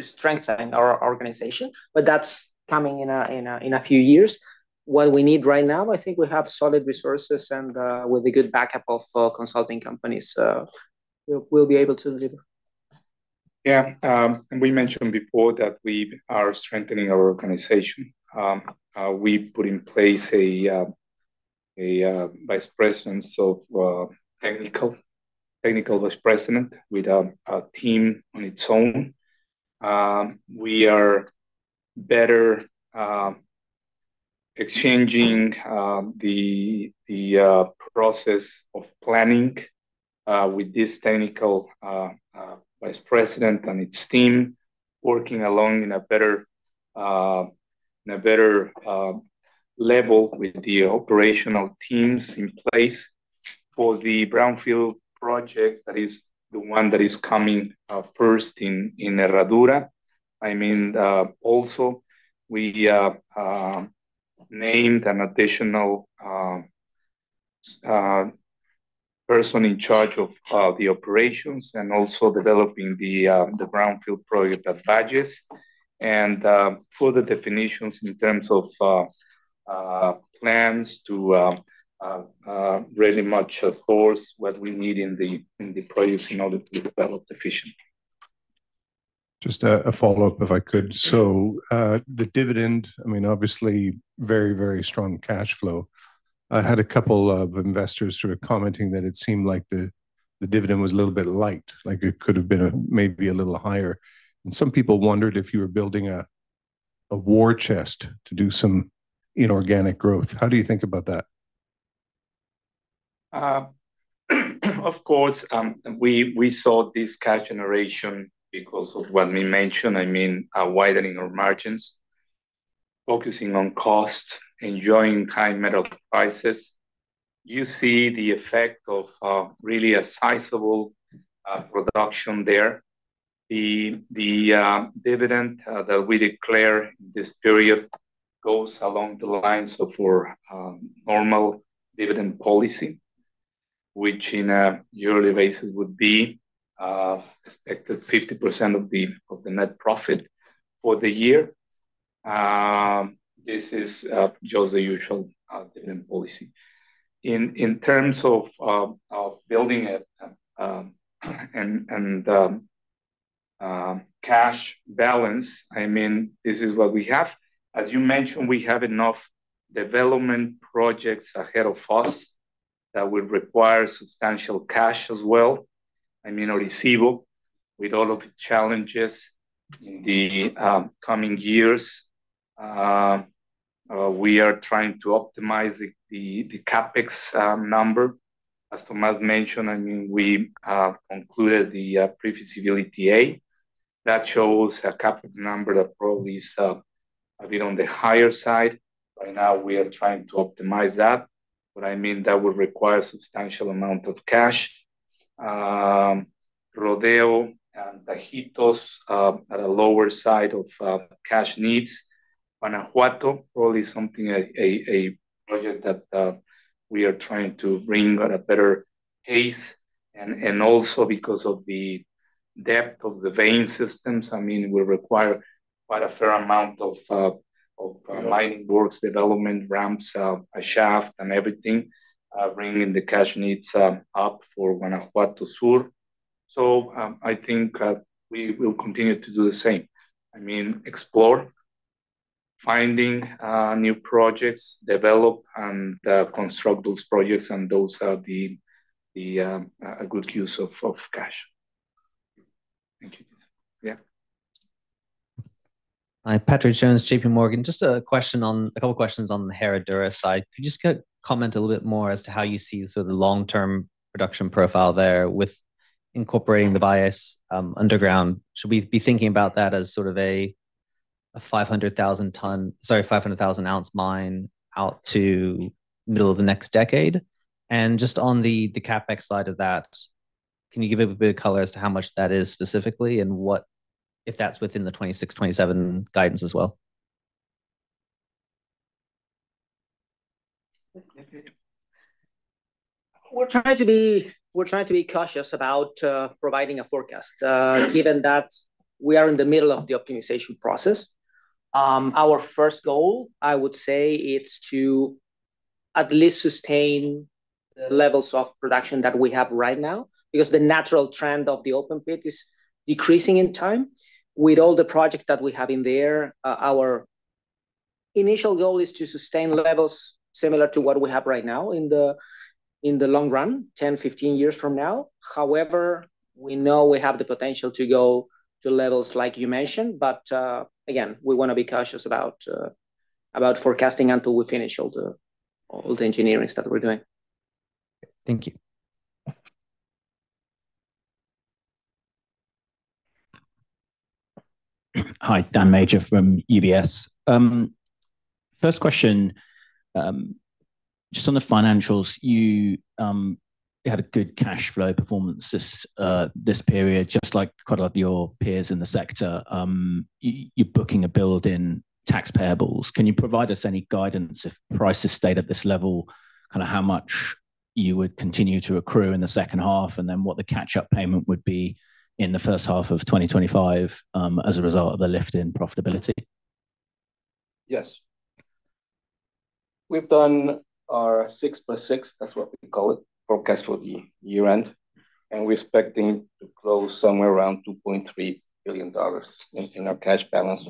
strengthen our organization. That's coming in a few years. What we need right now, I think we have solid resources, and with a good backup of consulting companies, we'll be able to deliver. Yeah, we mentioned before that we are strengthening our organization. We put in place a Vice President. So. Technical Vice President with a team on its own. We are better exchanging the process of planning with this Technical Vice President and its team working along in a better level with the operational teams in place for the brownfield project. That is the one that is coming first in Herradura. I mean also we named an additional person in charge of the operations and also developing the greenfield project at badges and further definitions in terms of plans to really match of course what we need in the projects in order to develop efficiency. Just a follow up if I could. The dividend, I mean obviously very, very strong cash flow. I had a couple of investors commenting that it seemed like the dividend was a little bit light, like it could have been maybe a little higher. Some people wondered if you were building a war chest to do some inorganic growth. How do you think about that? Of course, we saw this cash generation because of what we mentioned. I mean, a widening of margins, focusing on cost, enjoying high metal prices. You see the effect of really a sizable production there. The dividend that we declare this period goes along the lines of our normal dividend policy, which on a yearly basis would be expected 50% of the net profit for the year. This is just the usual dividend policy in terms of building it and cash balance. I mean, this is what we have. As you mentioned, we have enough development projects ahead of us that will require substantial cash as well. I mean, Orisyvo with all of the challenges in the coming years. We are trying to optimize the CapEx number as Tomás mentioned. I mean, we concluded the pre-feasibility that shows a CapEx number that probably is a bit on the higher side. Right now we are trying to optimize that. What I mean, that would require substantial amount of cash. Rodeo and Tajitos at a lower side of cash needs. Guanajuato probably something, a project that we are trying to bring at a better pace, and also because of the depth of the vein systems, I mean, we require quite a fair amount of lighting works, development ramps, a shaft and everything, bringing the cash needs up for Guanajuato Sur. I think we will continue to do the same. I mean, explore, finding new projects, develop and construct those projects, and those are a good use of cash. Thank you. Yeah. Hi Patrick Jones, JPMorgan. Just a question on a couple questions on the Herradura side. Could you just comment a little bit more as to how you see sort of the long-term production profile there with incorporating the Bias underground? Should we be thinking about that as sort of a 500,000 ounce mine out to middle of the next decade? Just on the CapEx side of that, can you give a bit of color as to how much that is specifically and if that's within the 2026-2027 guidance as well? We're trying to be cautious about providing a forecast given that we are in the middle of the optimization process. Our first goal, I would say, is to at least sustain levels of production that we have right now because the natural trend of the open pit is decreasing in time with all the projects that we have in there. Our initial goal is to sustain levels similar to what we have right now in the long run, 10, 15 years from now. However, we know we have the potential to go to levels like you mentioned, but again we want to be cautious about forecasting until we finish all the engineering stuff we're doing. Thank you. Hi, Dan Major from UBS. First question just on the financials. You had a good cash flow performance this period. Just like quite a lot of your peers in the sector, you're booking a build in tax payables. Can you provide us any guidance if prices stayed at this level, kind of how much you would continue to accrue in the second half and then what the catch up payment would be in the first half of 2025 as a result of the lift in profitability? Yes, we've done our six plus six, that's what we call it, forecast for the year end, and we're expecting to close somewhere around $2.3 billion in our cash balance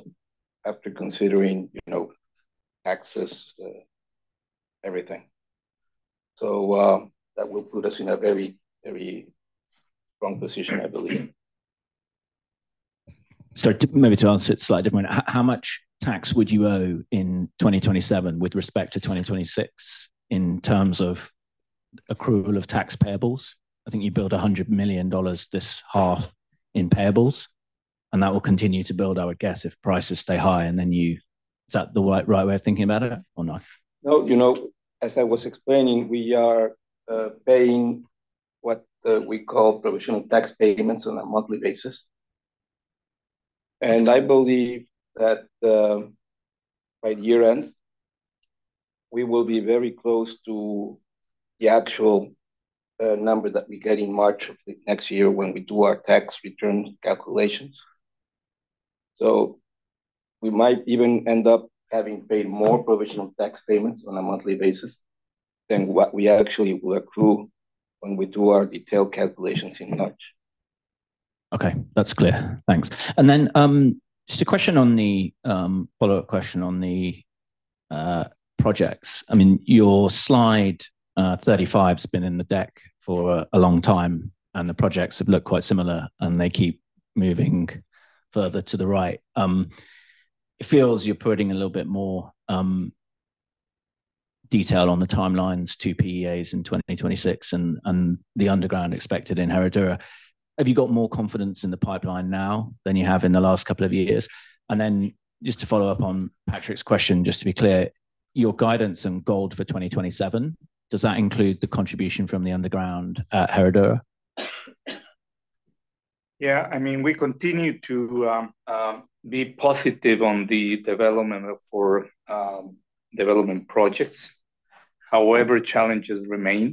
after considering taxes, everything. That will put us in a very, very strong position, I believe. Maybe to answer it slightly different, how much tax would you owe in 2027 with respect to 2026 in terms of accrual of tax payables? I think you build $100 million this half in payables and that will continue to build, I would guess, if prices stay high. Is that the right way of thinking? About it or not? As I was explaining, we are paying what we call provisional tax payments on a monthly basis. I believe that year end we will be very close to the actual number that we get in March of next year when we do our tax return calculations. We might even end up having paid more provisional tax payments on a monthly basis than what we actually will accrue when we do our detailed calculations in March. Okay, that's clear, thanks. Just a question on the follow-up question on the projects. I mean your slide 35 has been in the deck for a long time, and the projects have looked quite similar, and they keep moving further to the right. It feels you're putting a little bit more. Detail on the timelines to Peñas in 2026 and the underground expected in Herradura. Have you got more confidence in the pipeline now than you have in the last couple of years? Just to follow up on Patrick's question, just to be clear, your guidance and gold for 2027, does that include the contribution from the underground Herradura? Yeah, I mean we continue to be positive on the development for development projects. However, challenges remain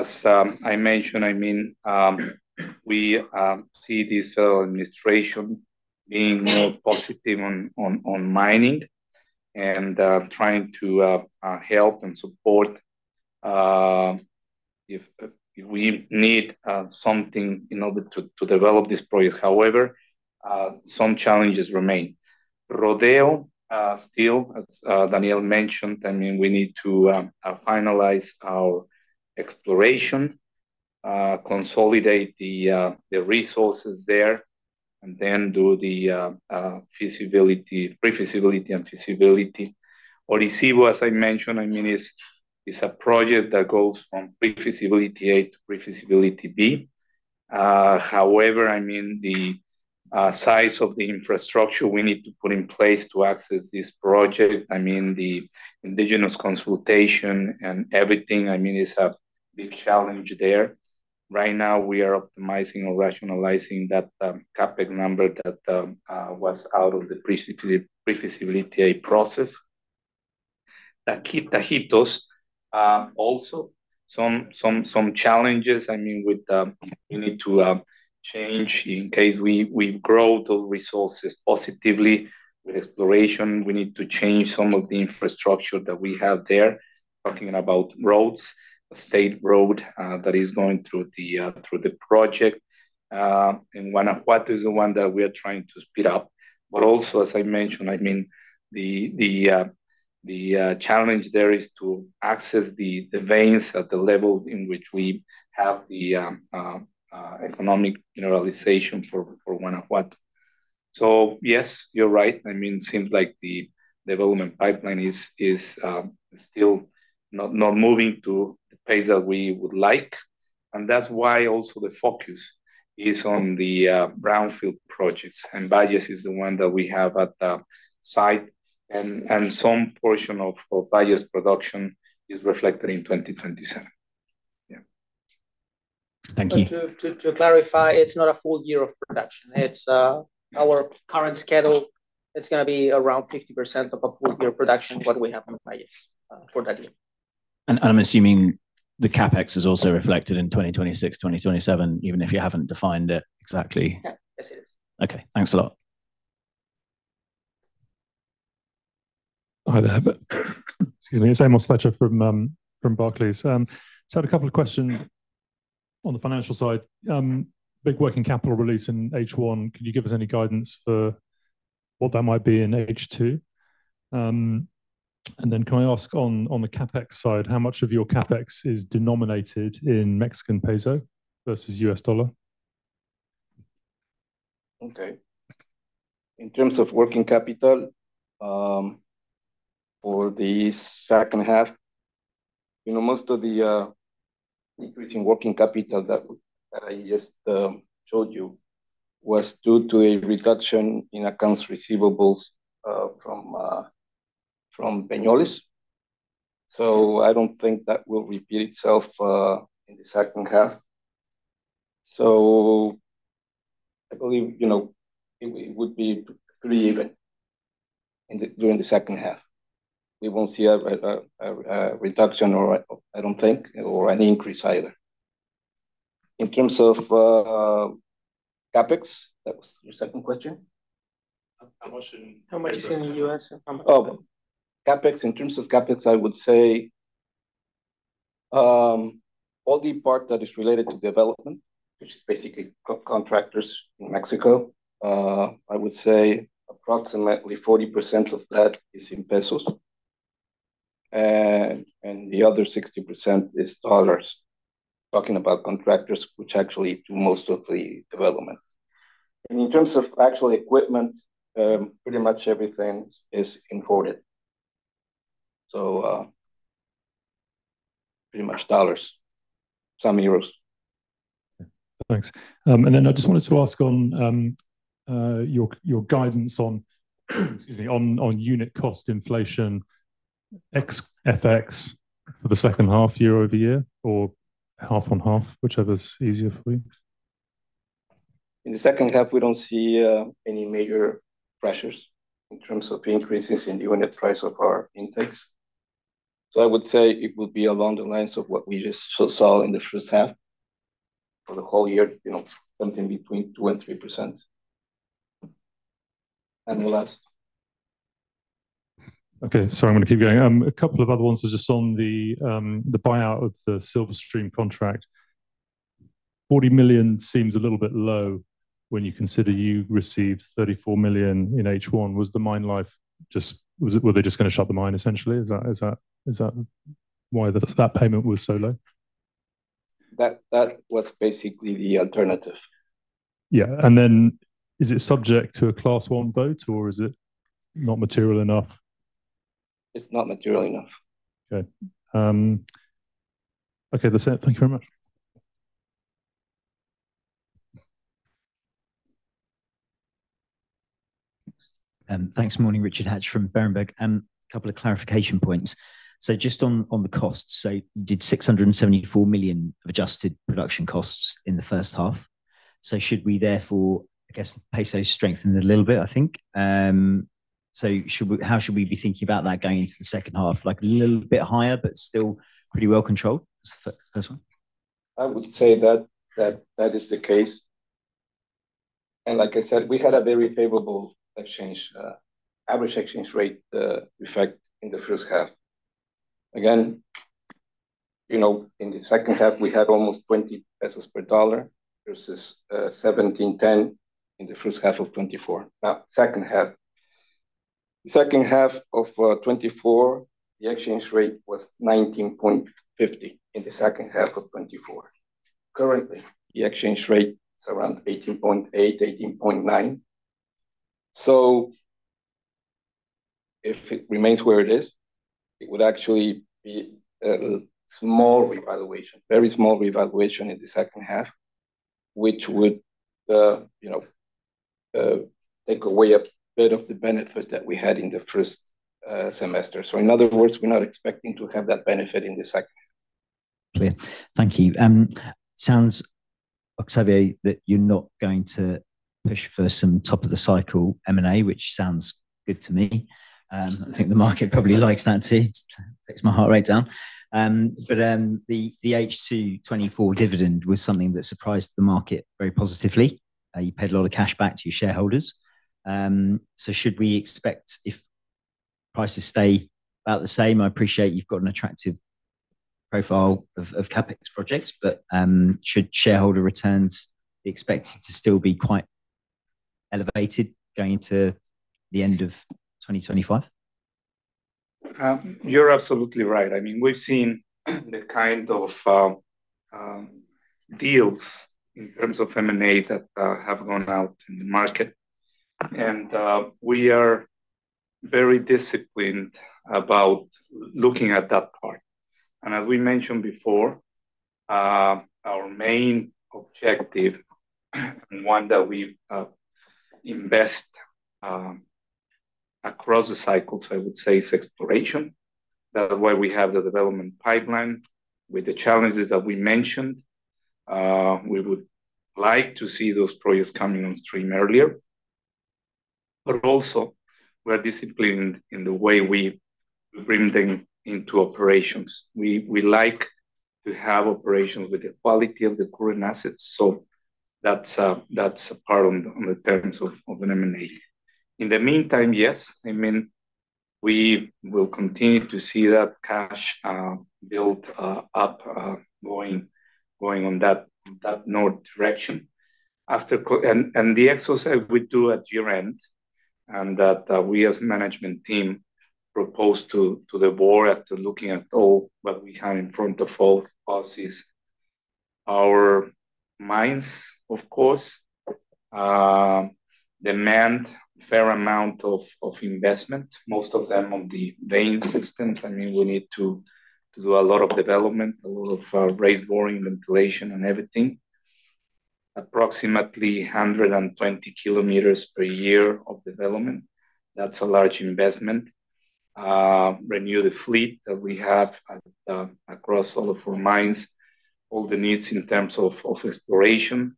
as I mentioned. I mean we see this federal administration being more positive on mining and trying to help and support if we need something in order to develop this project. However, some challenges remain. Rodeo still, Daniel mentioned, I mean we need to finalize our exploration, consolidate the resources there, and then do the pre-feasibility and feasibility. Orisyvo, as I mentioned, I mean is a project that goes from pre-feasibility A to pre-feasibility B. However, I mean the size of the infrastructure we need to put in place to access this project, I mean the indigenous consultation and everything, is a big challenge there. Right now we are optimizing or rationalizing that CapEx number that was out of the pre-feasibility process. The key, Tajitos, also some challenges, I mean you need to change in case we grow the resources positively with exploration, we need to change some of the infrastructure that we have there. Talking about roads, state road that is going through the project, and Guanajuato is the one that we are trying to speed up. Also, as I mentioned, the challenge there is to access the veins at the level in which we have the economic generalization for Guanajuato. Yes, you're right. I mean seems like the development pipeline is still not moving to the pace that we would like, and that's why also the focus is on the brownfield projects, and Bayes is the one that we have at the site, and some portion of Bayes production is reflected in 2027. Thank you. To clarify, it's not a full year of production. It's our current schedule. It's going to be around 50% of a full year production, what we have in for that year. I'm assuming the capital expenditure is also reflected in 2026, 2027, even if you haven't defined it exactly. Okay, thanks a lot. Hi there, excuse me, it's Amos Fletcher from Barclays. I had a couple of questions. On the financial side, big working capital release in H1. Can you give us any guidance for what that might be in H2? Can I ask on the CapEx side, how much of your CapEx is denominated in Mexican peso versus US dollar? In terms of working capital for the second half, most of the increase in working capital that I just showed you was due to a reduction in accounts receivables from Peñoles. I don't think that will repeat itself in the second half. I believe it would be pretty even during the second half; we won't see a reduction or any increase either. In terms of CapEx, that was your second question. How much in the U.S. CapEx? In terms of capital expenditure, I would say all the part that is related to development, which is basically contractors. In Mexico, I would say approximately 40% of that is in pesos and the other 60% is dollars. Talking about contractors which actually do most of the development. In terms of actual equipment, pretty much everything is imported. So, pretty much dollars, some euros. Thanks. I just wanted to ask on your guidance on unit cost inflation, ex FX, for the second half, year-over-year or half on half, whichever's easier for you. In the second half, we don't see any major pressures in terms of increases in unit price of our intakes. I would say it would be along the lines of what we just saw in the first half for the whole year, you know, something between 2% and 3% and the last. Okay, sorry, I'm going to keep going. A couple of other ones was just on the buyout of the Silver Stream contract. $40 million seems a little bit low when you consider you received $34 million in H1. Was the mine life just. Were they just going to shut the mine essentially? Is that why that payment was so low? That was basically the alternative, yeah. Is it subject to a Class 1 vote or is it not material enough? It's not material enough. Okay. Okay, that's it. Thank you very much. Thanks. Morning. Richard Hatch from Berenberg and a couple of clarification points. Just on the costs, did $674 million of adjusted production costs in the first half. Should we therefore, I guess, peso strengthened a little bit? I think so. Should we. How should we be thinking about that going into the second half? Like a little bit higher, but still. Pretty well controlled, this one? I would say that is the case. Like I said, we had a very favorable average exchange rate effect in the first half. Again, in the second half we had almost 20 pesos per dollar versus 17.10 in 1H24. The second half of 2024, the exchange rate was 19.50 in 2H24. Currently, the exchange rate is around 18.8, 18.9. If it remains where it is, it would actually be a small revaluation in the second half, which would take away a bit of the benefit that we had in the first semester. In other words, we're not expecting to have that benefit in this cycle. Thank you. Sounds, Octavio, that you're not going to push for some top of the cycle M&A, which sounds good to me. I think the market probably likes that too. Takes my heart rate down. The H2 2024 dividend was something that surprised the market very positively. You paid a lot of cash back to your shareholders. Should we expect, if prices stay about the same, I appreciate you've got an attractive profile of CapEx projects, but should shareholder returns be expected to still be quite elevated going into the end of 2025? You're absolutely right. I mean we've seen the kind of deals in terms of M&A that have gone out in the market, and we are very disciplined about looking at that part. As we mentioned before, our main objective, one that we invest across the cycle, so I would say is exploration. That is why we have the development pipeline with the challenges that we mentioned. We would like to see those projects coming on stream earlier. We are disciplined in the way we bring them into operations. We like to have operations with the quality of the current assets. That's a part on the terms of M&A in the meantime. Yes, we will continue to see that cash built up going on that north direction, and the exercise we do at year end and that we as management team propose to the board after looking at all, what we have in front of all of us is our mines of course demand fair amount of investment, most of them on the vein systems. We need to do a lot of development, a lot of raise boring, ventilation and everything. Approximately 120 km per year of development. That's a large investment. Renew the fleet that we have across all of our mines, all the needs in terms of exploration,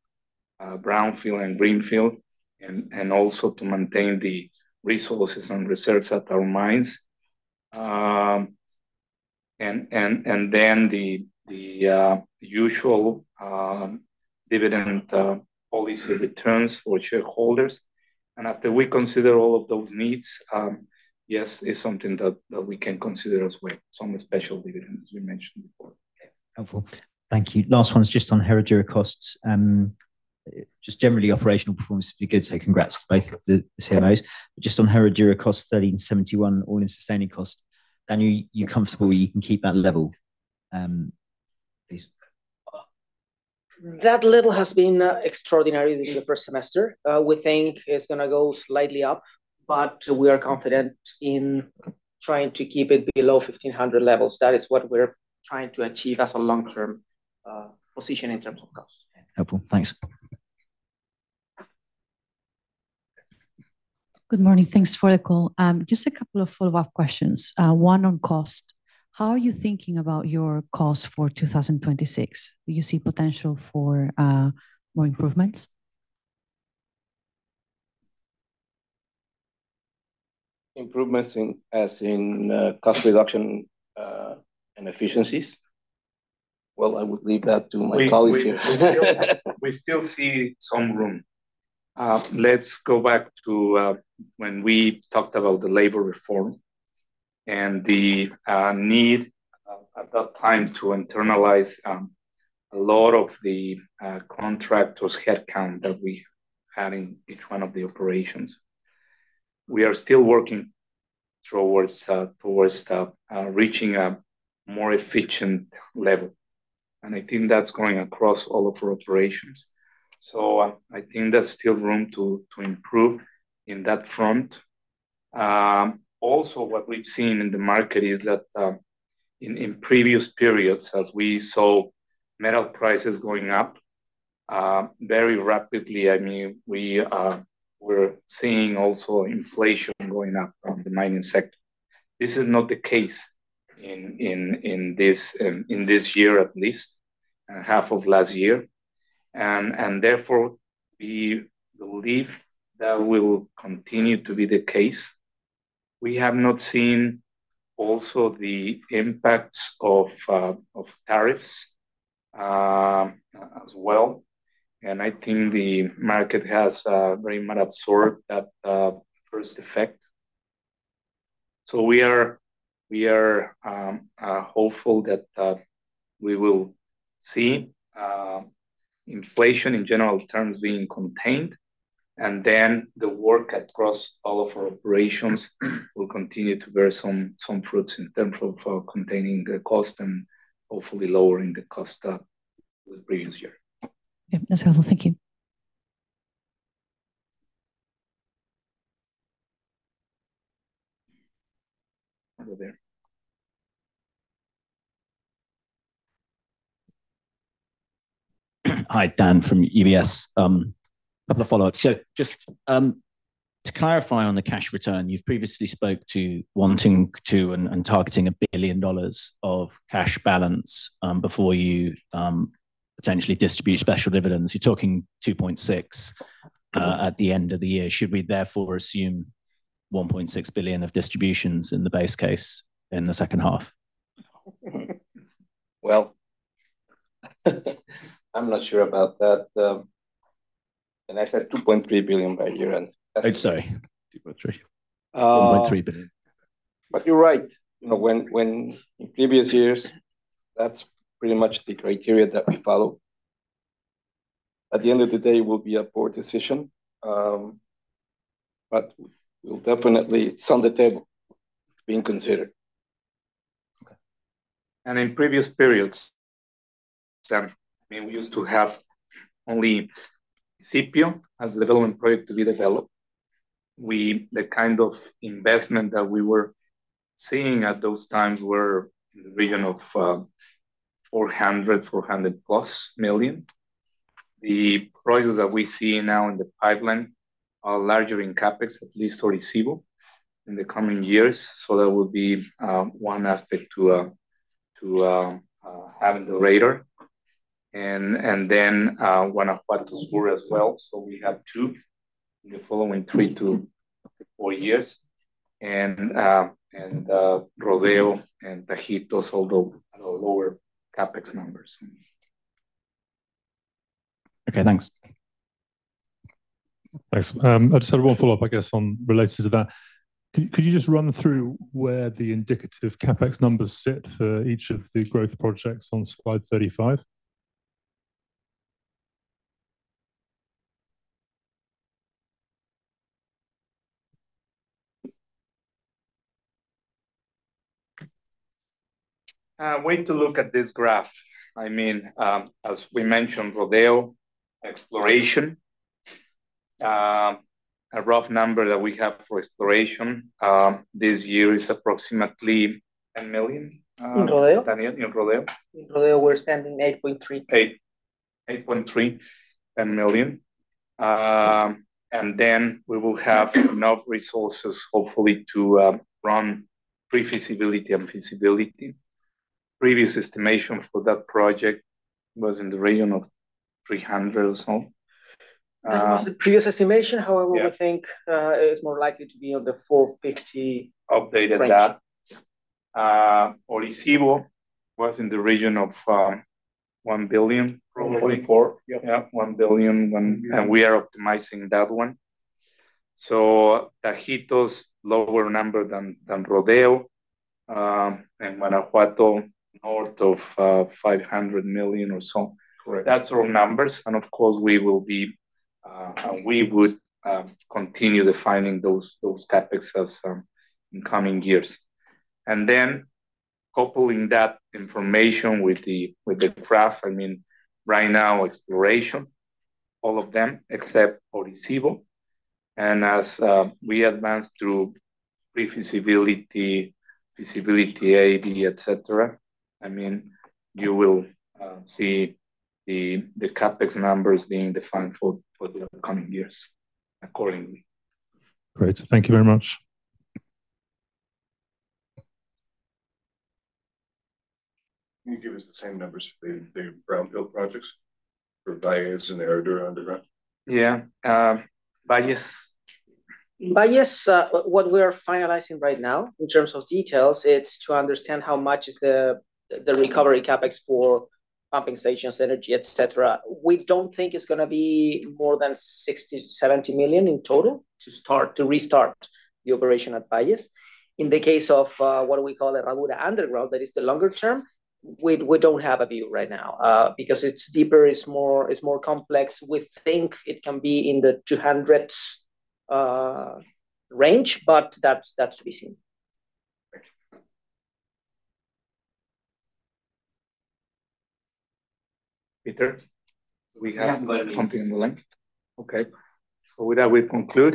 brownfield and greenfield, and also to maintain the resources and research at our mines and then the usual dividend policy returns for shareholders. After we consider all of those needs, yes, it's something that we can consider as well. Some special dividends you mentioned. Helpful, thank you. Last one is just on Herradura costs, just generally operational performance would be good. Congrats to both the COOs. Just on Herradura cost, $1,371 all-in sustaining cost. Daniel, you're comfortable, you can keep that level please. That level has been extraordinary in the first semester. We think it's going to go slightly up, but we are confident in trying to keep it below $1,500 levels. That is what we're trying to achieve as a long-term position in terms of cost. Thanks. Good morning. Thanks for the call. Just a couple of follow-up questions. One on cost, how are you thinking about your cost for 2026? Do you see potential for more improvements? Improvements as in cost reduction and efficiencies? I would leave that to my colleagues here. We still see some room. Let's go back to when we talked about the labor reform and the need at that time to internalize a lot of the contractors headcount that we add in each one of the operations. We are still working towards reaching a more efficient level, and I think that's going across all of our operations. I think there's still room to improve in that front. Also, what we've seen in the market is that in previous periods, as we saw metal prices going up very rapidly, we're seeing also inflation going up from the mining sector. This is not the case in this year, at least half of last year, and therefore we believe that will continue to be the case. We have not seen also the impacts of tariffs as well, and I think the market has very much absorbed that first effect. We are hopeful that we will see inflation in general terms being contained, and then the work across all of our operations will continue to bear some fruits in terms of containing the cost and hopefully lowering the cost the previous year. That's helpful, thank you. Hi Dan from UBS. Couple of follow-ups. Just to clarify on the cash return, you've previously spoke to wanting to and targeting $1 billion of cash balance before you potentially distribute special dividends. You're talking $2.6 billion at the end of the year. Should we therefore assume $1.6 billion of distributions in the base case in the second half? I'm not sure about that. I said $2.3 billion by year end. I'd say $2.3 billion. You're right, in previous years that's pretty much the criteria that we follow. At the end of the day, it will be a poor decision, but it's definitely on the table being considered. In previous periods we used to have only CPO as a development project to be developed. The kind of investment that we were seeing at those times were in the region of $400 million, $400 million+. The prices that we see now in the pipeline are larger in CapEx at least in the coming years. That would be one aspect to have in the radar and then Guanajuato Sur as well. We have two in the following three to four years and Rodeo and Tajitos, all the lower CapEx numbers. Okay, thanks. Thanks. I just had one follow-up, I guess, related to that. Could you just run through where the indicative capital expenditure numbers sit for each of the growth projects on slide 35? Way to look at this graph. I mean as we mentioned Rodeo exploration, a rough number that we have for exploration this year is approximately $10 million. Rodeo, we're spending $8.3 million, $8.3 million, and then we will have enough resources hopefully to run pre-feasibility and feasibility. Previous estimation for that project was in the region of $300 million or so. Previous estimation, however, we think it's more likely to be on the 450 updated. Data Orisyvo was in the region of $1 billion. $1 billion and we are optimizing that one. Tajitos lower number than Rodeo and Guanajuato north of $500 million or so. That's our numbers and of course we will be. We would continue defining those CapEx as in coming years and then coupling that information with the, with the graph I mean right, right now exploration all of them except for and as we advance through pre-feasibility, feasibility, ad etc. I mean you will see the CapEx numbers being defined for the coming years accordingly. Great, thank you very much. Can you give us the same numbers? For the brownfield projects for Guanajuato Sur and Herradura? Yeah, Bajas, what we're finalizing right now in terms of details is to understand how much is the recovery CapEx for pumping stations, energy, et cetera. We don't think it's going to be more than $60 million, $70 million in total to start to restart the operation at Bajas. In the case of what we call the RA underground, that is the longer term, we don't have a view right now because it's deeper, it's more complex. We think it can be in the $200 million range, but that's to be seen. Returns we have about something in the length of. Okay, with that we conclude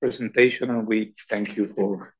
presentation, and we thank you for.